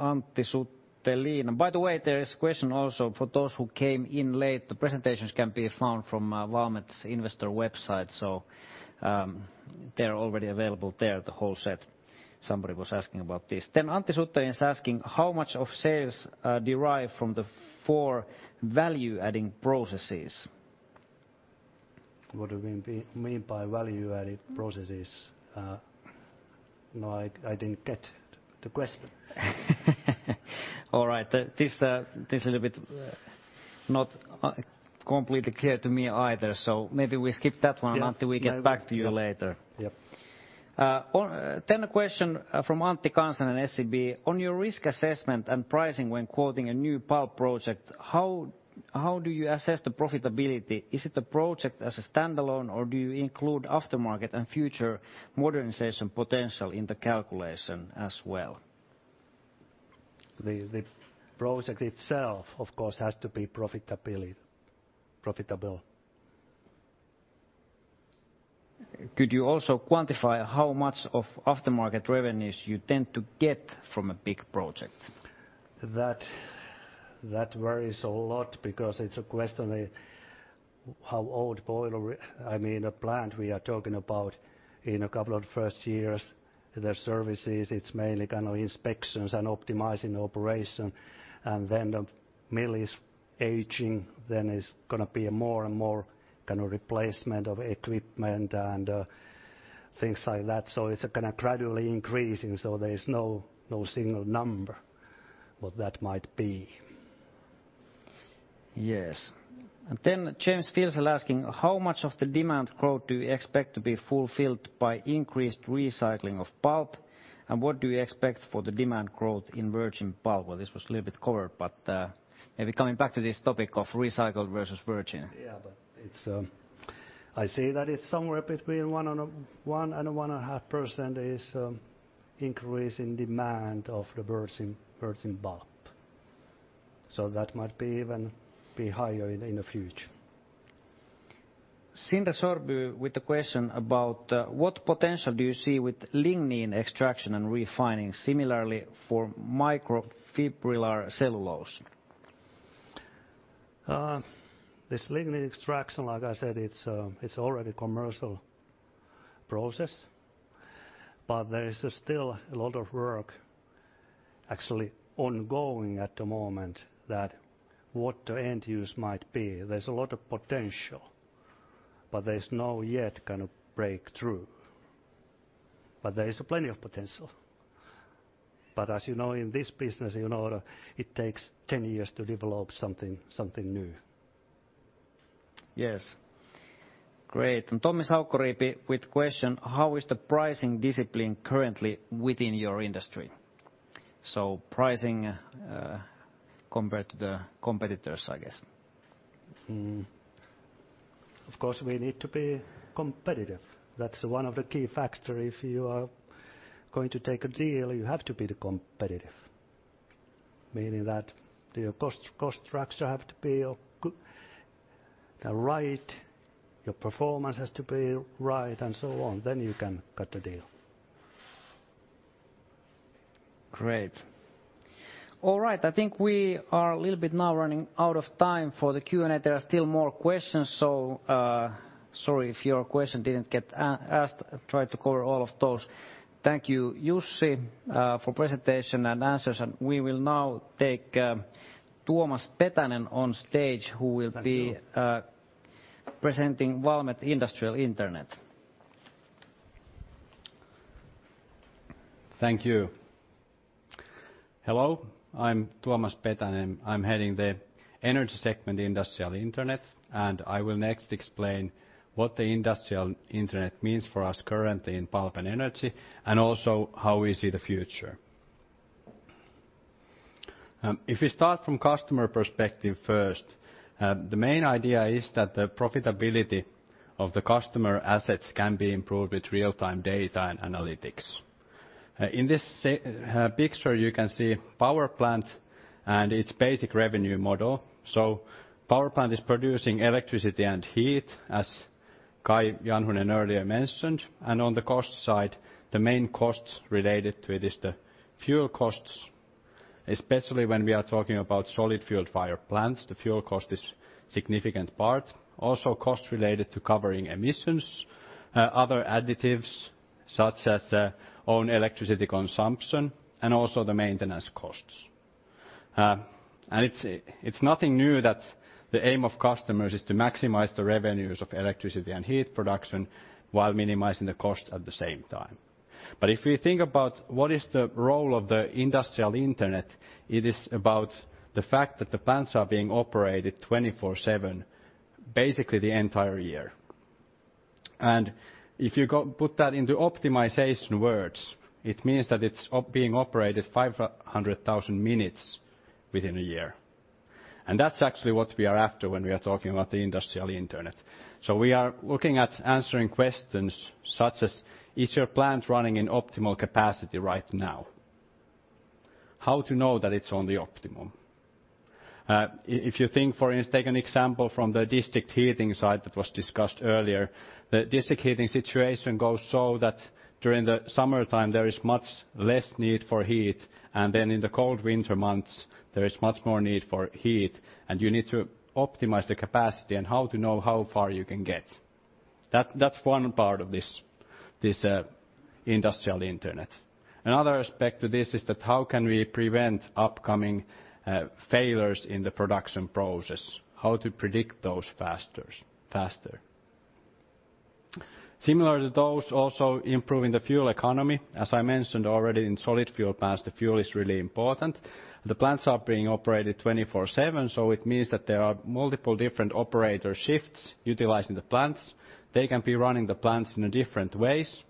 Antti Suttelin. By the way, there is question also for those who came in late, the presentations can be found from Valmet's investor website. They're already available there, the whole set. Somebody was asking about this. Antti Suttelin is asking, how much of sales derive from the four value-adding processes? What do you mean by value-added processes? No, I didn't get the question. All right. This is a bit not completely clear to me either, maybe we skip that one. Yeah. Until we get back to you later. Yep. A question from Antti Kansanen in SEB. On your risk assessment and pricing when quoting a new pulp project, how do you assess the profitability? Is it a project as a standalone, or do you include aftermarket and future modernization potential in the calculation as well? The project itself, of course, has to be profitable. Could you also quantify how much of aftermarket revenues you tend to get from a big project? That varies a lot because it's a question how old a plant we are talking about in a couple of first years. The services, it's mainly kind of inspections and optimizing operation. Then the mill is aging, then it's going to be more and more kind of replacement of equipment and things like that. It's kind of gradually increasing. There is no single number what that might be. Yes. Then James Filsell is asking, how much of the demand growth do you expect to be fulfilled by increased recycling of pulp? What do you expect for the demand growth in virgin pulp? Well, this was a little bit covered, maybe coming back to this topic of recycled versus virgin. I say that it's somewhere between 1.5% is increase in demand of the virgin pulp. That might be even be higher in the future. Sindre Sørbye with the question about, what potential do you see with lignin extraction and refining, similarly for microfibrillated cellulose? This lignin extraction, like I said, it's already commercial process, but there is still a lot of work actually ongoing at the moment that what the end use might be. There's a lot of potential, but there's no yet kind of breakthrough. There is plenty of potential. As you know, in this business, it takes 10 years to develop something new. Yes. Great. Tommi Saukkoriipi with question, how is the pricing discipline currently within your industry? Pricing compared to the competitors, I guess. Of course, we need to be competitive. That's one of the key factor. If you are going to take a deal, you have to be the competitive, meaning that your cost structure have to be right, your performance has to be right, and so on, then you can cut a deal. Great. All right. I think we are a little bit now running out of time for the Q&A. There are still more questions, so sorry if your question didn't get asked. I tried to cover all of those. Thank you, Jussi, for presentation and answers, and we will now take Tuomas Petänen on stage. Thank you. Who will be presenting Valmet Industrial Internet. Thank you. Hello, I'm Tuomas Petänen. I'm heading the Energy Segment Industrial Internet, and I will next explain what the Industrial Internet means for us currently in Pulp and Energy, and also how we see the future. If we start from customer perspective first, the main idea is that the profitability of the customer assets can be improved with real-time data and analytics. In this picture, you can see power plant and its basic revenue model. Power plant is producing electricity and heat, as Kai Janhunen earlier mentioned. On the cost side, the main costs related to it is the fuel costs, especially when we are talking about solid fuel fire plants, the fuel cost is significant part. Also costs related to covering emissions, other additives such as own electricity consumption, and also the maintenance costs. It's nothing new that the aim of customers is to maximize the revenues of electricity and heat production while minimizing the cost at the same time. If we think about what is the role of the Industrial Internet, it is about the fact that the plants are being operated 24/7, basically the entire year. If you put that into optimization words, it means that it's being operated 500,000 minutes within a year. That's actually what we are after when we are talking about the Industrial Internet. We are looking at answering questions such as, is your plant running in optimal capacity right now? How to know that it's on the optimum. If you take an example from the district heating side that was discussed earlier, the district heating situation goes so that during the summertime, there is much less need for heat, and then in the cold winter months, there is much more need for heat, and you need to optimize the capacity and how to know how far you can get. That's one part of this Industrial Internet. Another aspect to this is that how can we prevent upcoming failures in the production process? How to predict those faster? Similar to those, also improving the fuel economy. As I mentioned already, in solid fuel plants, the fuel is really important. The plants are being operated 24/7, so it means that there are multiple different operator shifts utilizing the plants. They can be running the plants in different ways.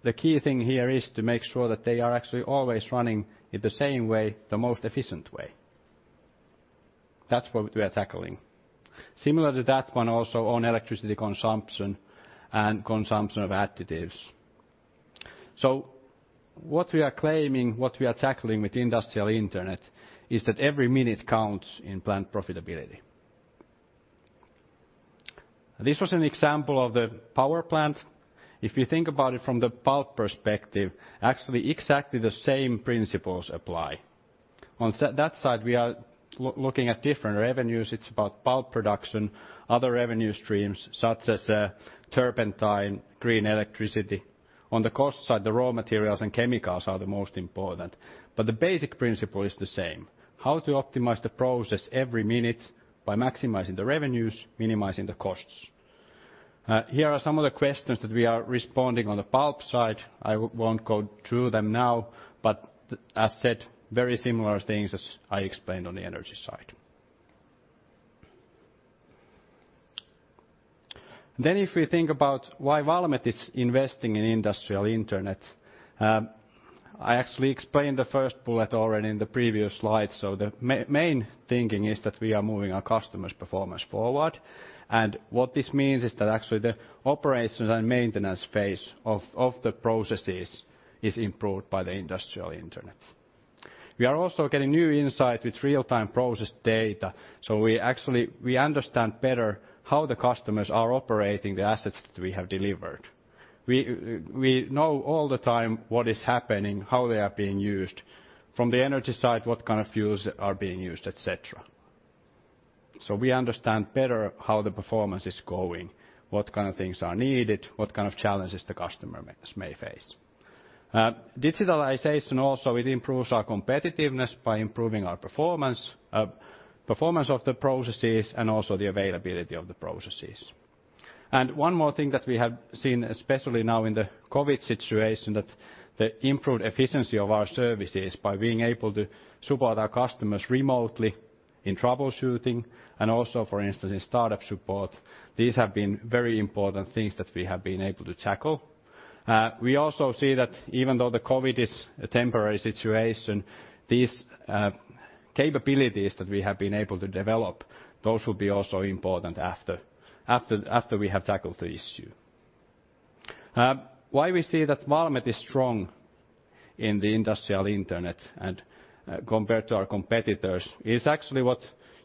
The key thing here is to make sure that they are actually always running in the same way, the most efficient way. That's what we are tackling. Similar to that one, also on electricity consumption and consumption of additives. What we are claiming, what we are tackling with Industrial Internet is that every minute counts in plant profitability. This was an example of the power plant. If you think about it from the pulp perspective, actually exactly the same principles apply. On that side, we are looking at different revenues. It's about pulp production, other revenue streams such as turpentine, green electricity. On the cost side, the raw materials and chemicals are the most important. The basic principle is the same, how to optimize the process every minute by maximizing the revenues, minimizing the costs. Here are some of the questions that we are responding on the pulp side. I won't go through them now, but as said, very similar things as I explained on the energy side. If we think about why Valmet is investing in Industrial Internet, I actually explained the first bullet already in the previous slide. The main thinking is that we are moving our customers' performance forward. What this means is that actually the operations and maintenance phase of the processes is improved by the Industrial Internet. We are also getting new insight with real-time process data. We understand better how the customers are operating the assets that we have delivered. We know all the time what is happening, how they are being used, from the energy side, what kind of fuels are being used, et cetera. We understand better how the performance is going, what kind of things are needed, what kind of challenges the customers may face. Digitalization also, it improves our competitiveness by improving our performance of the processes and also the availability of the processes. One more thing that we have seen, especially now in the COVID situation, that the improved efficiency of our services by being able to support our customers remotely in troubleshooting and also, for instance, in startup support, these have been very important things that we have been able to tackle. We also see that even though the COVID is a temporary situation, these capabilities that we have been able to develop, those will be also important after we have tackled the issue. Why we see that Valmet is strong in the Industrial Internet and compared to our competitors is actually what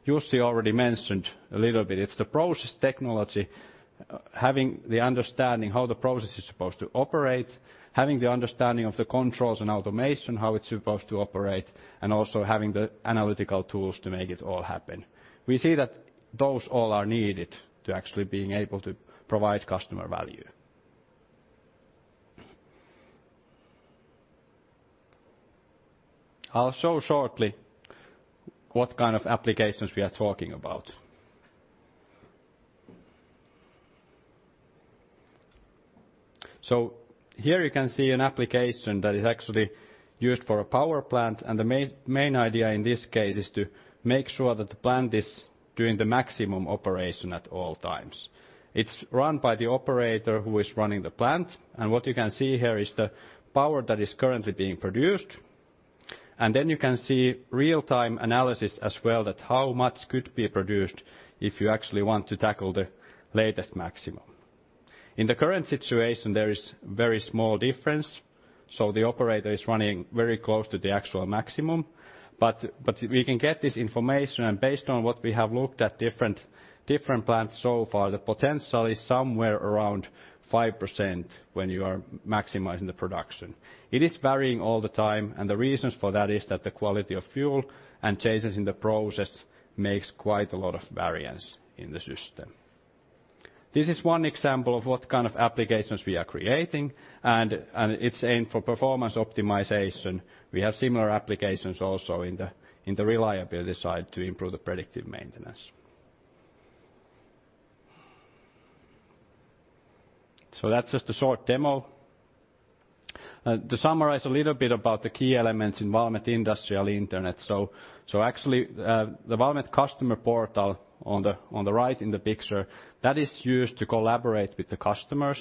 Jussi already mentioned a little bit. It's the process technology, having the understanding how the process is supposed to operate, having the understanding of the controls and automation, how it's supposed to operate, and also having the analytical tools to make it all happen. We see that those all are needed to actually being able to provide customer value. I'll show shortly what kind of applications we are talking about. Here you can see an application that is actually used for a power plant, and the main idea in this case is to make sure that the plant is doing the maximum operation at all times. It's run by the operator who is running the plant, and what you can see here is the power that is currently being produced. You can see real-time analysis as well that how much could be produced if you actually want to tackle the latest maximum. In the current situation, there is very small difference, so the operator is running very close to the actual maximum. We can get this information, and based on what we have looked at different plants so far, the potential is somewhere around 5% when you are maximizing the production. It is varying all the time, and the reasons for that is that the quality of fuel and changes in the process makes quite a lot of variance in the system. This is one example of what kind of applications we are creating, and it's aimed for performance optimization. We have similar applications also in the reliability side to improve the predictive maintenance. That's just a short demo. To summarize a little bit about the key elements in Valmet Industrial Internet. Actually, the Valmet Customer Portal on the right in the picture, that is used to collaborate with the customers,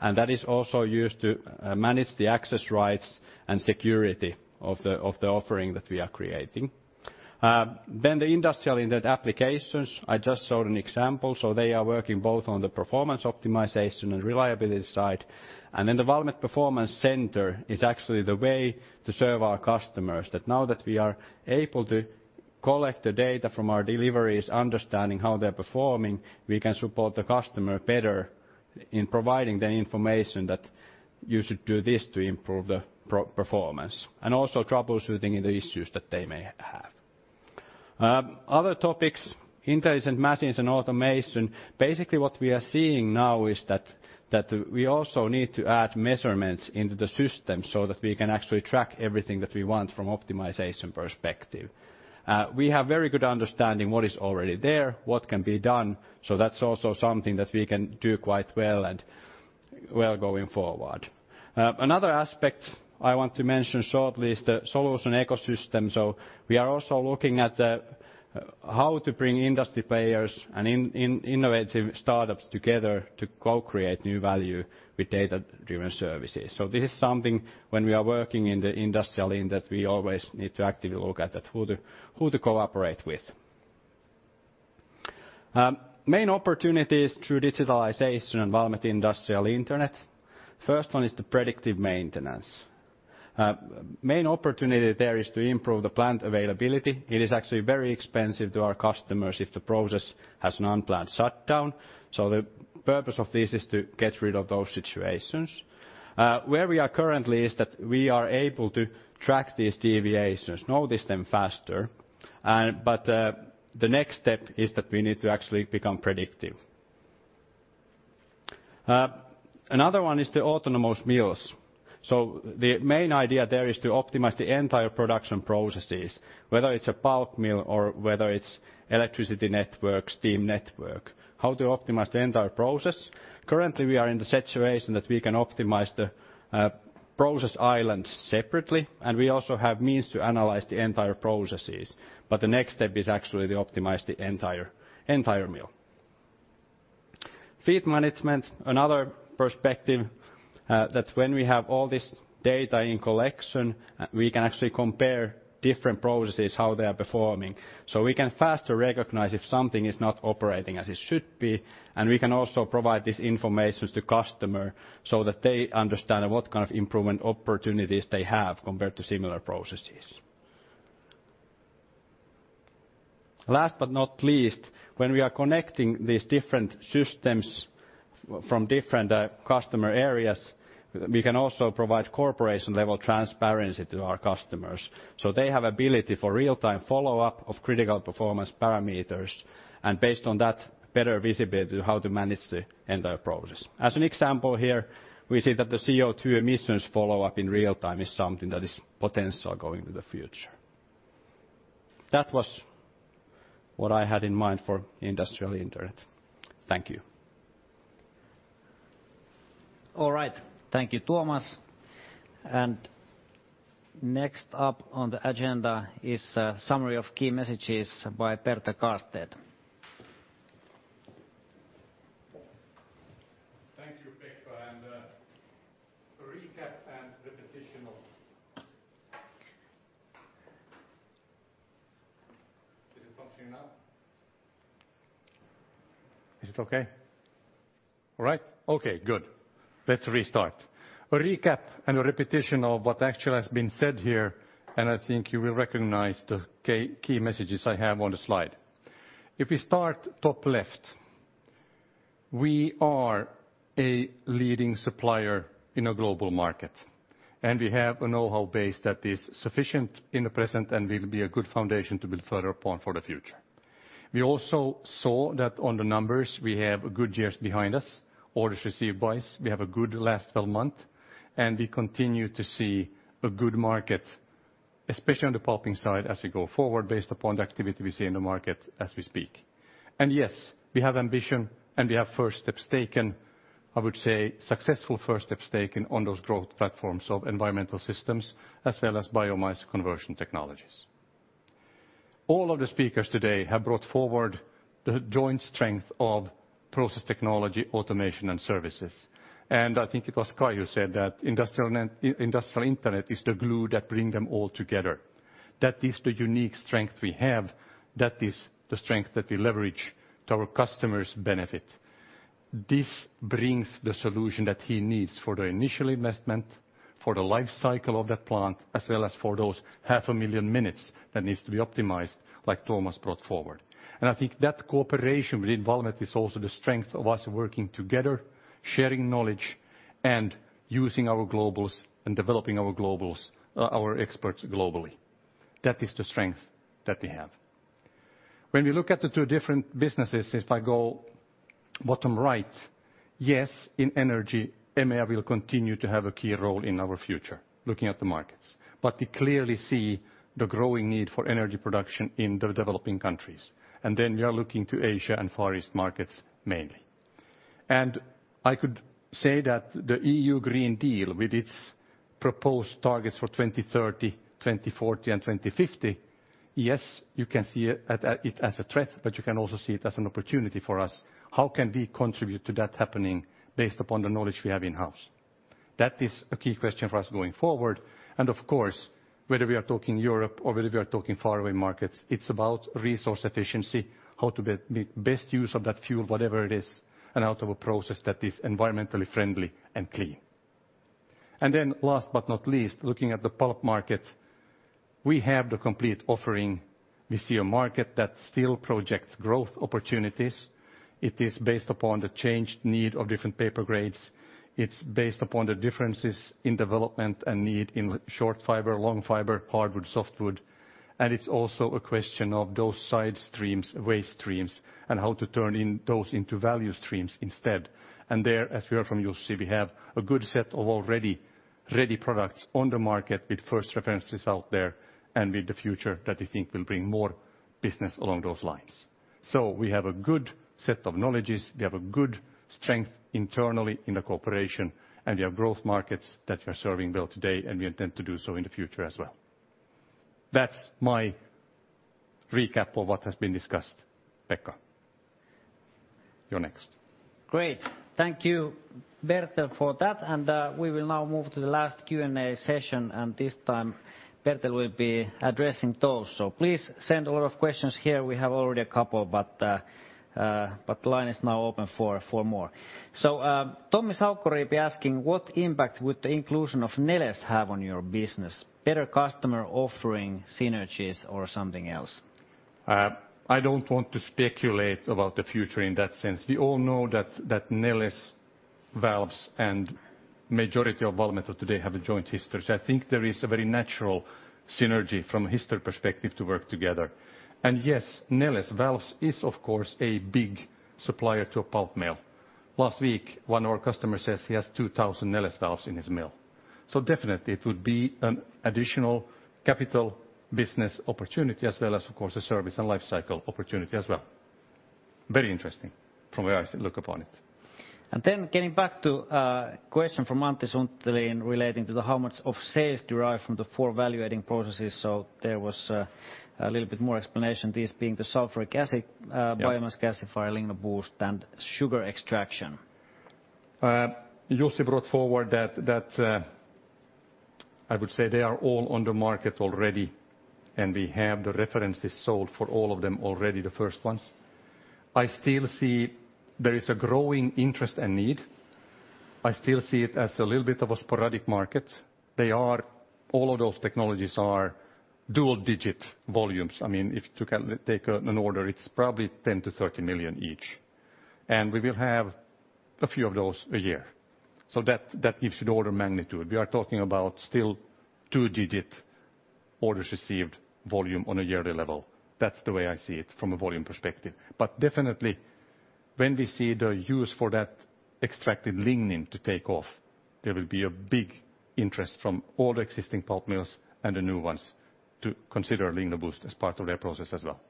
and that is also used to manage the access rights and security of the offering that we are creating. The Industrial Internet applications, I just showed an example. They are working both on the performance optimization and reliability side. The Valmet Performance Center is actually the way to serve our customers. Now that we are able to collect the data from our deliveries, understanding how they're performing, we can support the customer better in providing the information that you should do this to improve the performance. Also troubleshooting the issues that they may have. Other topics, intelligent machines and automation. What we are seeing now is that we also need to add measurements into the system so that we can actually track everything that we want from optimization perspective. We have very good understanding what is already there, what can be done. That's also something that we can do quite well and well going forward. Another aspect I want to mention shortly is the solution ecosystem. We are also looking at how to bring industry players and innovative startups together to co-create new value with data-driven services. This is something when we are working in the Industrial Internet, we always need to actively look at that, who to cooperate with. Main opportunities through digitalization and Valmet Industrial Internet. First one is the predictive maintenance. Main opportunity there is to improve the plant availability. It is actually very expensive to our customers if the process has an unplanned shutdown. The purpose of this is to get rid of those situations. Where we are currently is that we are able to track these deviations, notice them faster. The next step is that we need to actually become predictive. Another one is the autonomous mills. The main idea there is to optimize the entire production processes, whether it's a pulp mill or whether it's electricity network, steam network, how to optimize the entire process. Currently, we are in the situation that we can optimize the process islands separately, and we also have means to analyze the entire processes. The next step is actually to optimize the entire mill. Feed management, another perspective that when we have all this data in collection, we can actually compare different processes, how they are performing. We can faster recognize if something is not operating as it should be, and we can also provide this information to customer so that they understand what kind of improvement opportunities they have compared to similar processes. Last but not least, when we are connecting these different systems from different customer areas, we can also provide corporation-level transparency to our customers. They have ability for real-time follow-up of critical performance parameters, and based on that, better visibility how to manage the entire process. As an example here, we see that the CO2 emissions follow-up in real time is something that is potential going to the future. That was what I had in mind for Industrial Internet. Thank you. All right. Thank you, Tuomas. Next up on the agenda is a summary of key messages by Bertel Karlstedt. Thank you, Pekka. Is it functioning now? Is it okay? All right. Okay, good. Let's restart. A recap and a repetition of what actually has been said here, and I think you will recognize the key messages I have on the slide. If we start top left, we are a leading supplier in a global market, and we have a know-how base that is sufficient in the present and will be a good foundation to build further upon for the future. We also saw that on the numbers, we have good years behind us. Orders received wise, we have a good last 12 month, and we continue to see a good market, especially on the pulping side as we go forward based upon the activity we see in the market as we speak. Yes, we have ambition and we have first steps taken, I would say successful first steps taken on those growth platforms of environmental systems as well as biomass conversion technologies. All of the speakers today have brought forward the joint strength of process technology, automation, and services. I think it was Kai who said that Industrial Internet is the glue that brings them all together. That is the unique strength we have. That is the strength that we leverage to our customers' benefit. This brings the solution that he needs for the initial investment, for the life cycle of that plant, as well as for those 500,000 minutes that need to be optimized, like Tuomas brought forward. I think that cooperation with Valmet is also the strength of us working together, sharing knowledge, and using our globals and developing our experts globally. That is the strength that we have. When we look at the two different businesses, if I go bottom right, yes, in energy, EMEA will continue to have a key role in our future, looking at the markets. We clearly see the growing need for energy production in the developing countries. We are looking to Asia and Far East markets mainly. I could say that the EU Green Deal, with its proposed targets for 2030, 2040, and 2050, yes, you can see it as a threat, but you can also see it as an opportunity for us. How can we contribute to that happening based upon the knowledge we have in-house? That is a key question for us going forward. Whether we are talking Europe or whether we are talking faraway markets, it's about resource efficiency, how to make best use of that fuel, whatever it is, and out of a process that is environmentally friendly and clean. Looking at the pulp market, we have the complete offering. We see a market that still projects growth opportunities. It is based upon the changed need of different paper grades. It's based upon the differences in development and need in short fiber, long fiber, hardwood, softwood. It's also a question of those side streams, waste streams, and how to turn those into value streams instead. There, as we heard from Jussi, we have a good set of already ready products on the market with first references out there, and with the future that we think will bring more business along those lines. We have a good set of knowledges, we have a good strength internally in the corporation, and we have growth markets that we are serving well today, and we intend to do so in the future as well. That's my recap of what has been discussed. Pekka, you're next. Great. Thank you, Bertel, for that. We will now move to the last Q&A session. This time Bertel will be addressing those. Please send a lot of questions here. We have already a couple. The line is now open for more. Tommi Saukkoriipi is asking: What impact would the inclusion of Neles have on your business? Better customer offering synergies or something else? I don't want to speculate about the future in that sense. We all know that Neles Valves and majority of Valmet today have a joint history. I think there is a very natural synergy from a history perspective to work together. Yes, Neles Valves is, of course, a big supplier to a pulp mill. Last week, one of our customers says he has 2,000 Neles Valves in his mill. Definitely it would be an additional capital business opportunity as well as, of course, a service and life cycle opportunity as well. Very interesting from way I look upon it. Getting back to a question from Antti Suttelin in relating to the how much of sales derive from the four value-adding processes. There was a little bit more explanation, these being the Sulfuric Acid. Yeah. Valmet Gasifier, LignoBoost, and sugar extraction. Jussi brought forward that, I would say they are all on the market already, and we have the references sold for all of them already, the first ones. I still see there is a growing interest and need. I still see it as a little bit of a sporadic market. All of those technologies are dual-digit volumes. If you can take an order, it's probably 10 million-30 million each. We will have a few of those a year. That gives you the order of magnitude. We are talking about still two-digit orders received volume on a yearly level. That's the way I see it from a volume perspective. Definitely when we see the use for that extracted lignin to take off, there will be a big interest from all the existing pulp mills and the new ones to consider LignoBoost as part of their process as well.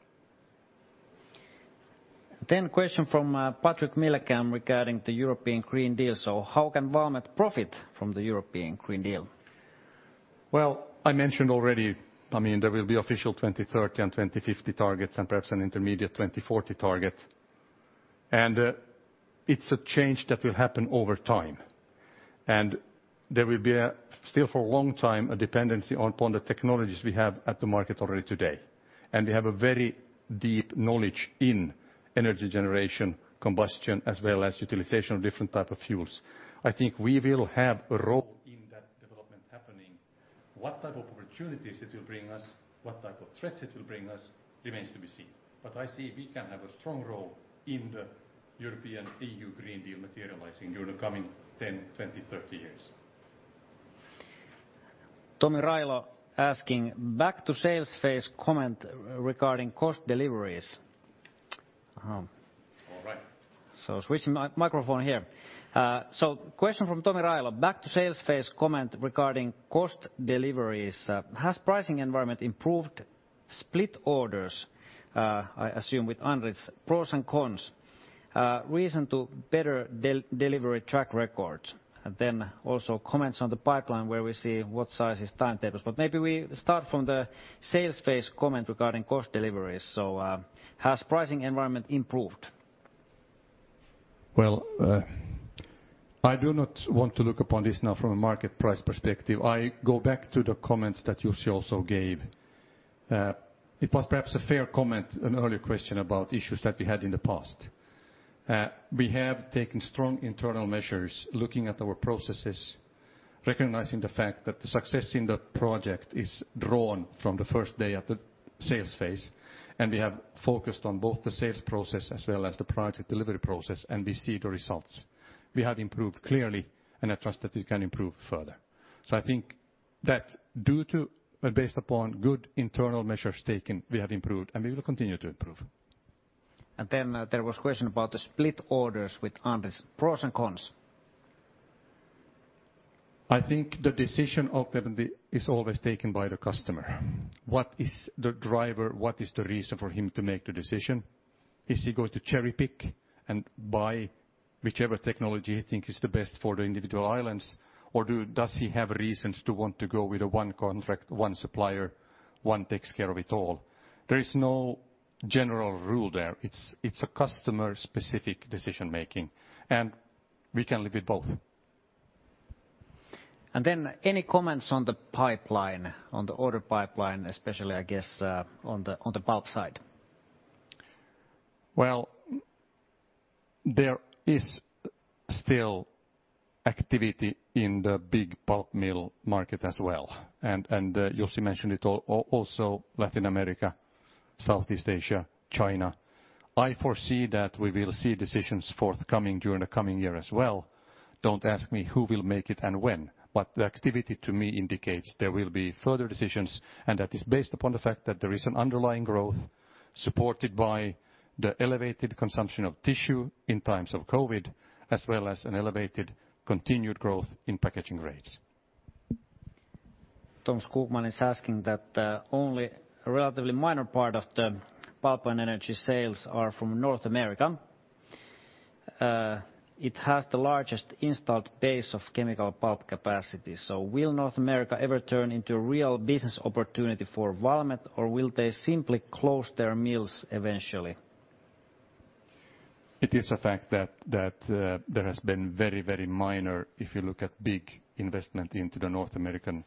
Question from Patrick Milliken regarding the European Green Deal. How can Valmet profit from the European Green Deal? I mentioned already, there will be official 2030 and 2050 targets and perhaps an intermediate 2040 target. It's a change that will happen over time. There will be, still for a long time, a dependency upon the technologies we have at the market already today. We have a very deep knowledge in energy generation, combustion, as well as utilization of different type of fuels. I think we will have a role in that development happening. What type of opportunities it will bring us, what type of threats it will bring us remains to be seen. I see we can have a strong role in the European EU Green Deal materializing during the coming 10, 20, 30 years. Tomi Railo asking, "Back to sales phase comment regarding cost deliveries. All right. Switching my microphone here. Question from Tomi Railo, back to sales phase comment regarding cost deliveries. Has pricing environment improved split orders, I assume with Andritz, pros and cons? Reason to better delivery track record. Comments on the pipeline where we see what size is timetables. Maybe we start from the sales phase comment regarding cost deliveries. Has pricing environment improved? I do not want to look upon this now from a market price perspective. I go back to the comments that Jussi also gave. It was perhaps a fair comment, an earlier question about issues that we had in the past. We have taken strong internal measures, looking at our processes, recognizing the fact that the success in the project is drawn from the first day at the sales phase, and we have focused on both the sales process as well as the project delivery process, and we see the results. We have improved clearly, and I trust that we can improve further. I think that based upon good internal measures taken, we have improved, and we will continue to improve. There was a question about the split orders with Andritz. Pros and cons? I think the decision ultimately is always taken by the customer. What is the driver? What is the reason for him to make the decision? Is he going to cherry-pick and buy whichever technology he thinks is the best for the individual islands, or does he have reasons to want to go with a one contract, one supplier, one takes care of it all? There is no general rule there. It's a customer-specific decision-making, and we can live with both. Any comments on the order pipeline, especially, I guess, on the pulp side? Well, there is still activity in the big pulp mill market as well. You also mentioned it also Latin America, Southeast Asia, China. I foresee that we will see decisions forthcoming during the coming year as well. Don't ask me who will make it and when, but the activity to me indicates there will be further decisions, and that is based upon the fact that there is an underlying growth supported by the elevated consumption of tissue in times of COVID, as well as an elevated continued growth in packaging rates. Tom Skogman is asking that only a relatively minor part of the Pulp and Energy sales are from North America. It has the largest installed base of chemical pulp capacity. Will North America ever turn into a real business opportunity for Valmet, or will they simply close their mills eventually? It is a fact that there has been very minor, if you look at big investment into the North American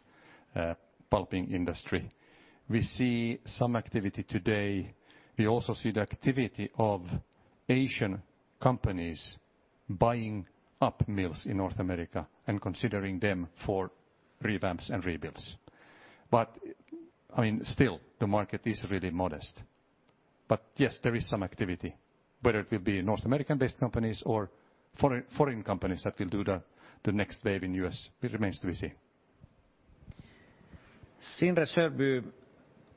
pulping industry. We see some activity today. We also see the activity of Asian companies buying up mills in North America and considering them for revamps and rebuilds. Still, the market is really modest. Yes, there is some activity, whether it will be North American-based companies or foreign companies that will do the next wave in the U.S., it remains to be seen.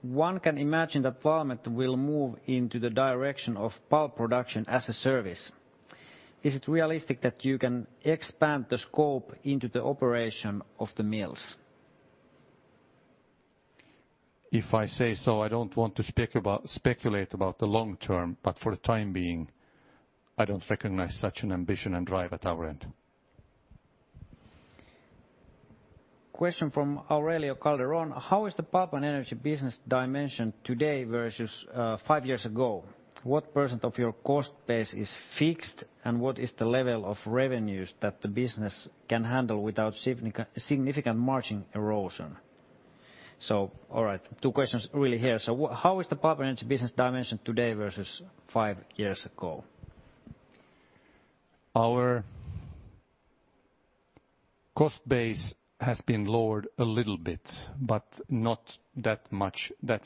One can imagine that Valmet will move into the direction of pulp production as a service. Is it realistic that you can expand the scope into the operation of the mills? If I say so, I don't want to speculate about the long-term, but for the time being, I don't recognize such an ambition and drive at our end. Question from Aurelio Calderon: How is the Pulp and Energy business dimension today versus five years ago? What percent of your cost base is fixed, and what is the level of revenues that the business can handle without significant margin erosion? All right, two questions really here. How is the Pulp and Energy business dimension today versus five years ago? Our cost base has been lowered a little bit, but not that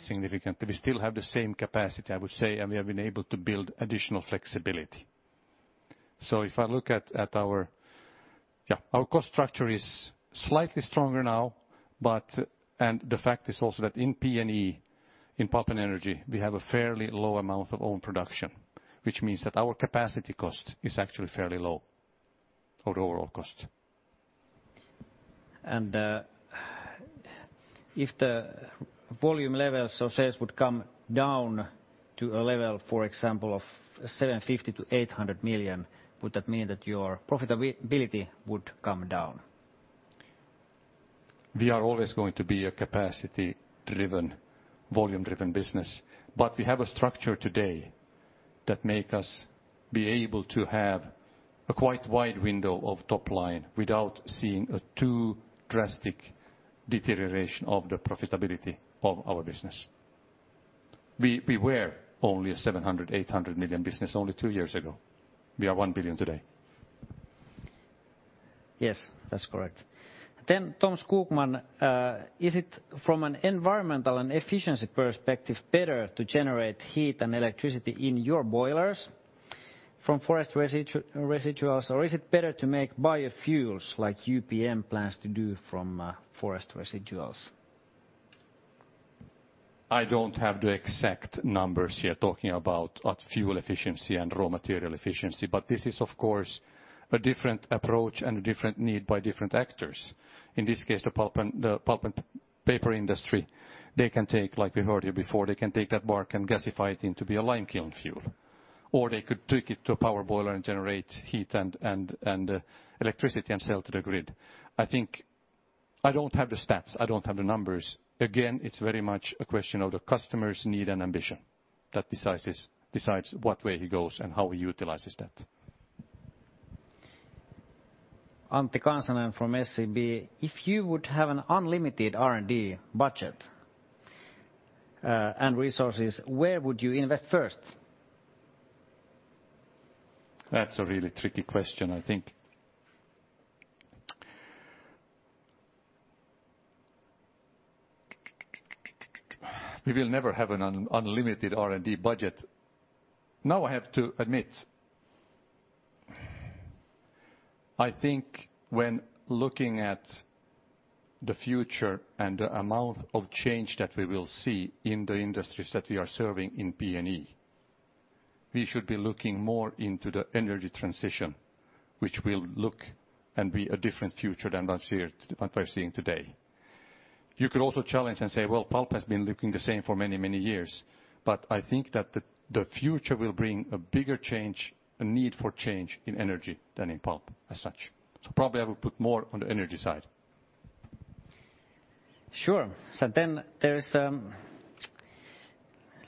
significantly. We still have the same capacity, I would say, and we have been able to build additional flexibility. If I look at our cost structure is slightly stronger now, and the fact is also that in P&E, in Pulp and Energy, we have a fairly low amount of own production, which means that our capacity cost is actually fairly low or overall cost. If the volume levels of sales would come down to a level, for example, of 750 million-800 million, would that mean that your profitability would come down? We are always going to be a capacity-driven, volume-driven business. We have a structure today that make us be able to have a quite wide window of top line without seeing a too drastic deterioration of the profitability of our business. We were only a 700 million, 800 million business only two years ago. We are 1 billion today. Yes, that's correct. Tom Skogman: is it from an environmental and efficiency perspective, better to generate heat and electricity in your boilers from forest residuals, or is it better to make biofuels like UPM plans to do from forest residuals? I don't have the exact numbers here talking about fuel efficiency and raw material efficiency. This is of course, a different approach and a different need by different actors. In this case, the pulp and paper industry, they can take, like we heard here before, they can take that bark and gasify it into be a lime kiln fuel. They could take it to a power boiler and generate heat and electricity and sell to the grid. I don't have the stats. I don't have the numbers. Again, it's very much a question of the customer's need and ambition that decides what way he goes and how he utilizes that. Antti Kansanen from SEB. If you would have an unlimited R&D budget and resources, where would you invest first? That's a really tricky question. I think We will never have an unlimited R&D budget. I have to admit, I think when looking at the future and the amount of change that we will see in the industries that we are serving in P&E, we should be looking more into the energy transition, which will look and be a different future than what we are seeing today. You could also challenge and say, well, pulp has been looking the same for many years, but I think that the future will bring a bigger change, a need for change in energy than in pulp as such. Probably I would put more on the energy side. Sure. There is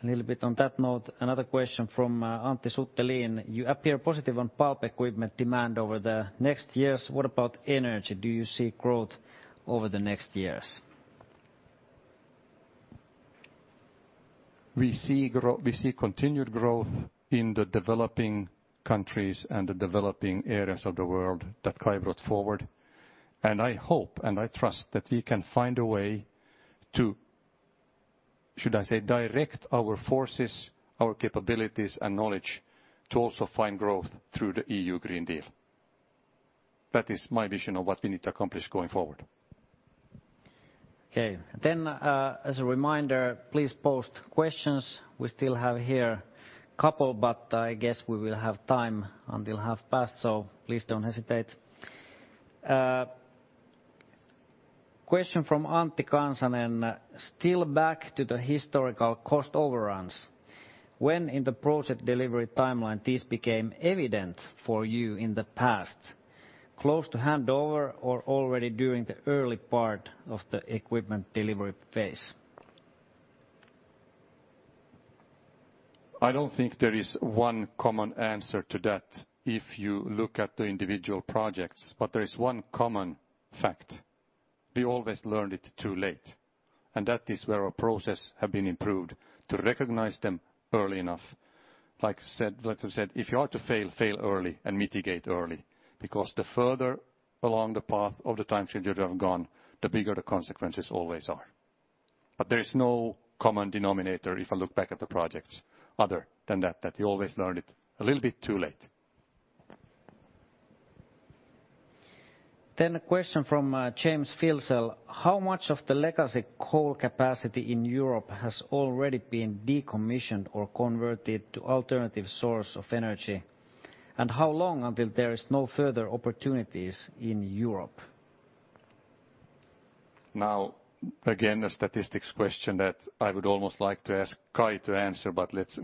a little bit on that note, another question from Antti Suttelin. You appear positive on pulp equipment demand over the next years. What about energy? Do you see growth over the next years? We see continued growth in the developing countries and the developing areas of the world that Kai brought forward. I hope and I trust that we can find a way to, should I say, direct our forces, our capabilities, and knowledge to also find growth through the EU Green Deal. That is my vision of what we need to accomplish going forward. Okay. As a reminder, please post questions. We still have here a couple, but I guess we will have time until half past, so please don't hesitate. A question from Antti Kansanen. Still back to the historical cost overruns. When in the project delivery timeline, this became evident for you in the past, close to handover or already during the early part of the equipment delivery phase? I don't think there is one common answer to that if you look at the individual projects. There is one common fact. We always learned it too late, and that is where our process have been improved to recognize them early enough. Like I said, if you are to fail early and mitigate early, because the further along the path of the time schedule you have gone, the bigger the consequences always are. There is no common denominator if I look back at the projects other than that you always learn it a little bit too late. A question from James Filsell. How much of the legacy coal capacity in Europe has already been decommissioned or converted to alternative source of energy? How long until there is no further opportunities in Europe? Again, a statistics question that I would almost like to ask Kai to answer.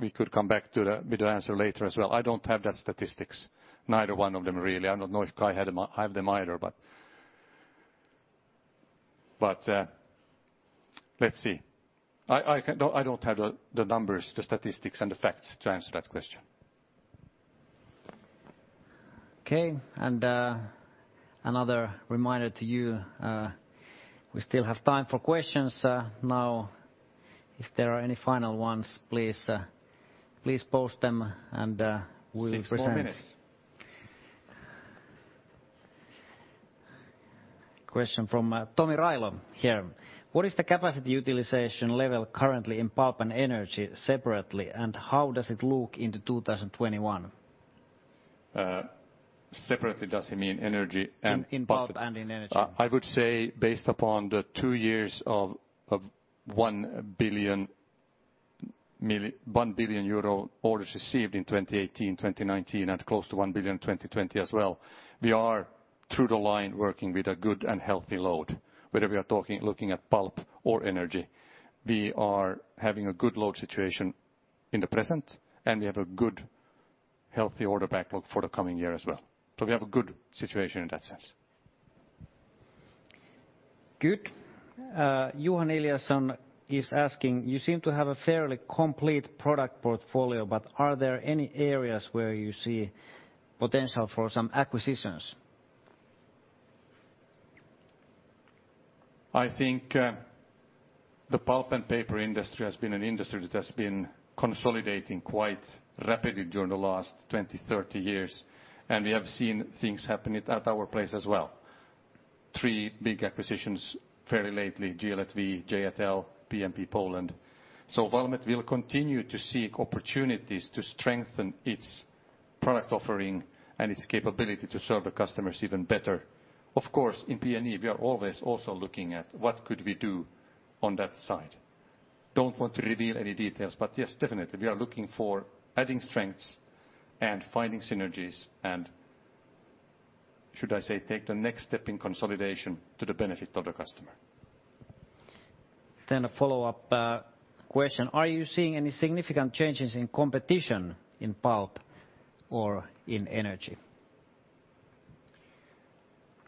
We could come back to the answer later as well. I don't have that statistics, neither one of them really. I don't know if Kai have them either. Let's see. I don't have the numbers, the statistics, and the facts to answer that question. Okay, another reminder to you. We still have time for questions. Now, if there are any final ones, please post them and we will present. Six more minutes. Question from Tomi Railo here. What is the capacity utilization level currently in Pulp and Energy separately, and how does it look into 2021? Separately, does he mean energy? In Pulp and in Energy. I would say based upon the two years of 1 billion euro orders received in 2018, 2019, and close to 1 billion in 2020 as well. We are through the line working with a good and healthy load. Whether we are looking at Pulp and Energy. We are having a good load situation in the present, and we have a good, healthy order backlog for the coming year as well. We have a good situation in that sense. Good. Johan Eliason is asking, you seem to have a fairly complete product portfolio, but are there any areas where you see potential for some acquisitions? I think the pulp and paper industry has been an industry that has been consolidating quite rapidly during the last 20, 30 years. We have seen things happening at our place as well. three big acquisitions fairly lately, GL&V, J&L, PMP Group. Valmet will continue to seek opportunities to strengthen its product offering and its capability to serve the customers even better. Of course, in P&E, we are always also looking at what could we do on that side. Don't want to reveal any details. Yes, definitely, we are looking for adding strengths and finding synergies, should I say, take the next step in consolidation to the benefit of the customer. A follow-up question. Are you seeing any significant changes in competition in pulp or in energy?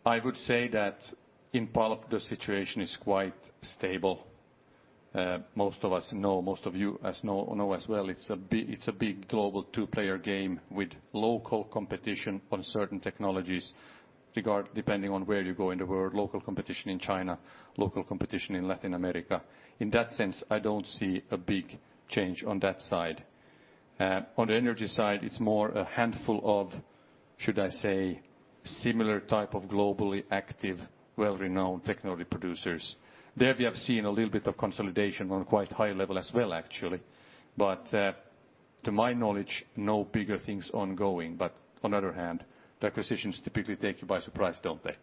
I would say that in pulp, the situation is quite stable. Most of us know, most of you know as well, it's a big global two-player game with local competition on certain technologies, depending on where you go in the world, local competition in China, local competition in Latin America. In that sense, I don't see a big change on that side. On the energy side, it's more a handful of, should I say, similar type of globally active, well-renowned technology producers. There we have seen a little bit of consolidation on a quite high level as well, actually. To my knowledge, no bigger things ongoing. On other hand, the acquisitions typically take you by surprise, don't they?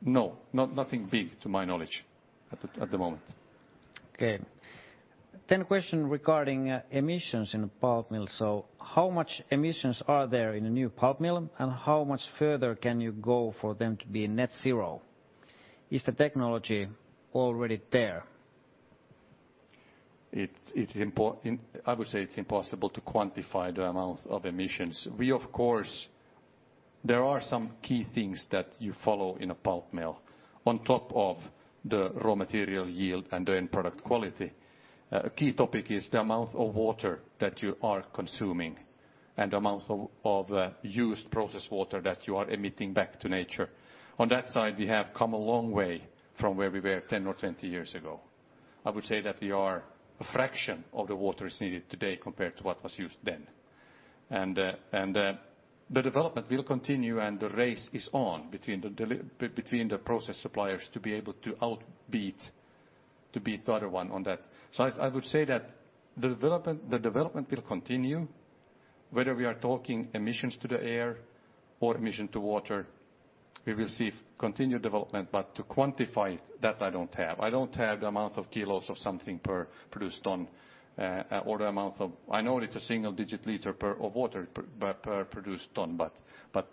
No, nothing big to my knowledge at the moment. A question regarding emissions in the pulp mill. How much emissions are there in a new pulp mill, and how much further can you go for them to be net zero? Is the technology already there? I would say it's impossible to quantify the amount of emissions. There are some key things that you follow in a pulp mill. On top of the raw material yield and the end product quality, a key topic is the amount of water that you are consuming and amount of used process water that you are emitting back to nature. On that side, we have come a long way from where we were 10 or 20 years ago. I would say that we are a fraction of the water is needed today compared to what was used then. The development will continue and the race is on between the process suppliers to be able to beat the other one on that. I would say that the development will continue, whether we are talking emissions to the air or emission to water, we will see continued development. To quantify that, I don't have. I don't have the amount of kilos of something per produced ton, or the amount of I know it's a single-digit liter of water per produced ton, but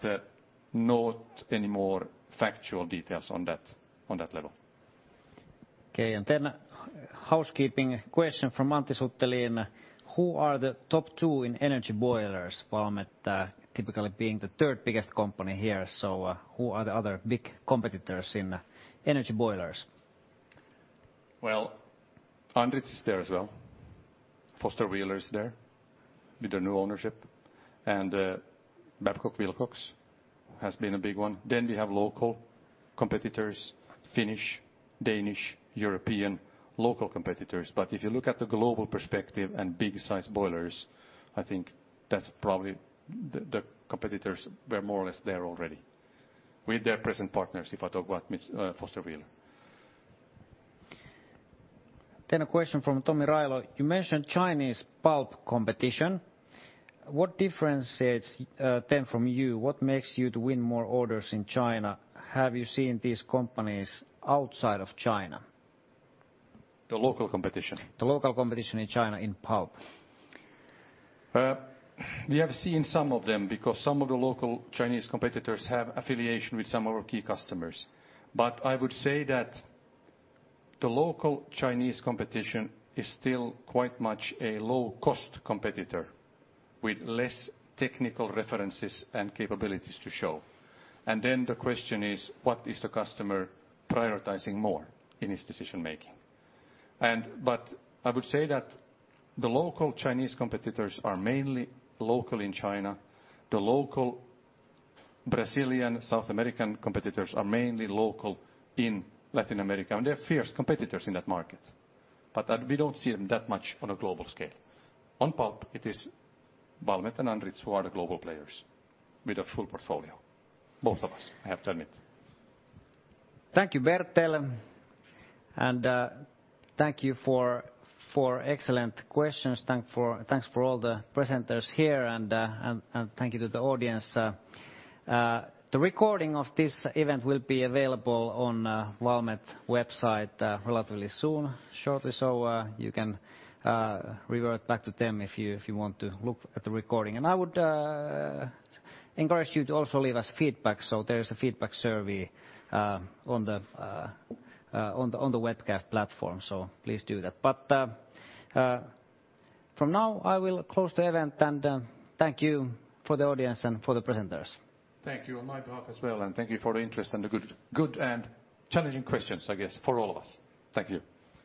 not any more factual details on that level. Okay, housekeeping question from Antti Suttelin. Who are the top two in energy boilers, Valmet typically being the third biggest company here? Who are the other big competitors in energy boilers? Well, Andritz is there as well. Foster Wheeler is there with the new ownership. Babcock & Wilcox has been a big one. We have local competitors, Finnish, Danish, European, local competitors. If you look at the global perspective and big size boilers, I think that's probably the competitors were more or less there already with their present partners, if I talk about Foster Wheeler. A question from Tomi Railo. You mentioned Chinese pulp competition. What differentiates them from you? What makes you to win more orders in China? Have you seen these companies outside of China? The local competition? The local competition in China in pulp. We have seen some of them because some of the local Chinese competitors have affiliation with some of our key customers. I would say that the local Chinese competition is still quite much a low-cost competitor with less technical references and capabilities to show. Then the question is, what is the customer prioritizing more in his decision-making? I would say that the local Chinese competitors are mainly local in China. The local Brazilian South American competitors are mainly local in Latin America, and they're fierce competitors in that market. We don't see them that much on a global scale. On pulp, it is Valmet and Andritz who are the global players with a full portfolio. Both of us, I have to admit. Thank you, Bertel, and thank you for excellent questions. Thanks for all the presenters here, and thank you to the audience. The recording of this event will be available on Valmet website relatively soon, shortly, so you can revert back to them if you want to look at the recording. I would encourage you to also leave us feedback. There is a feedback survey on the webcast platform, so please do that. From now I will close the event and thank you for the audience and for the presenters. Thank you on my behalf as well, and thank you for the interest and the good and challenging questions, I guess, for all of us. Thank you.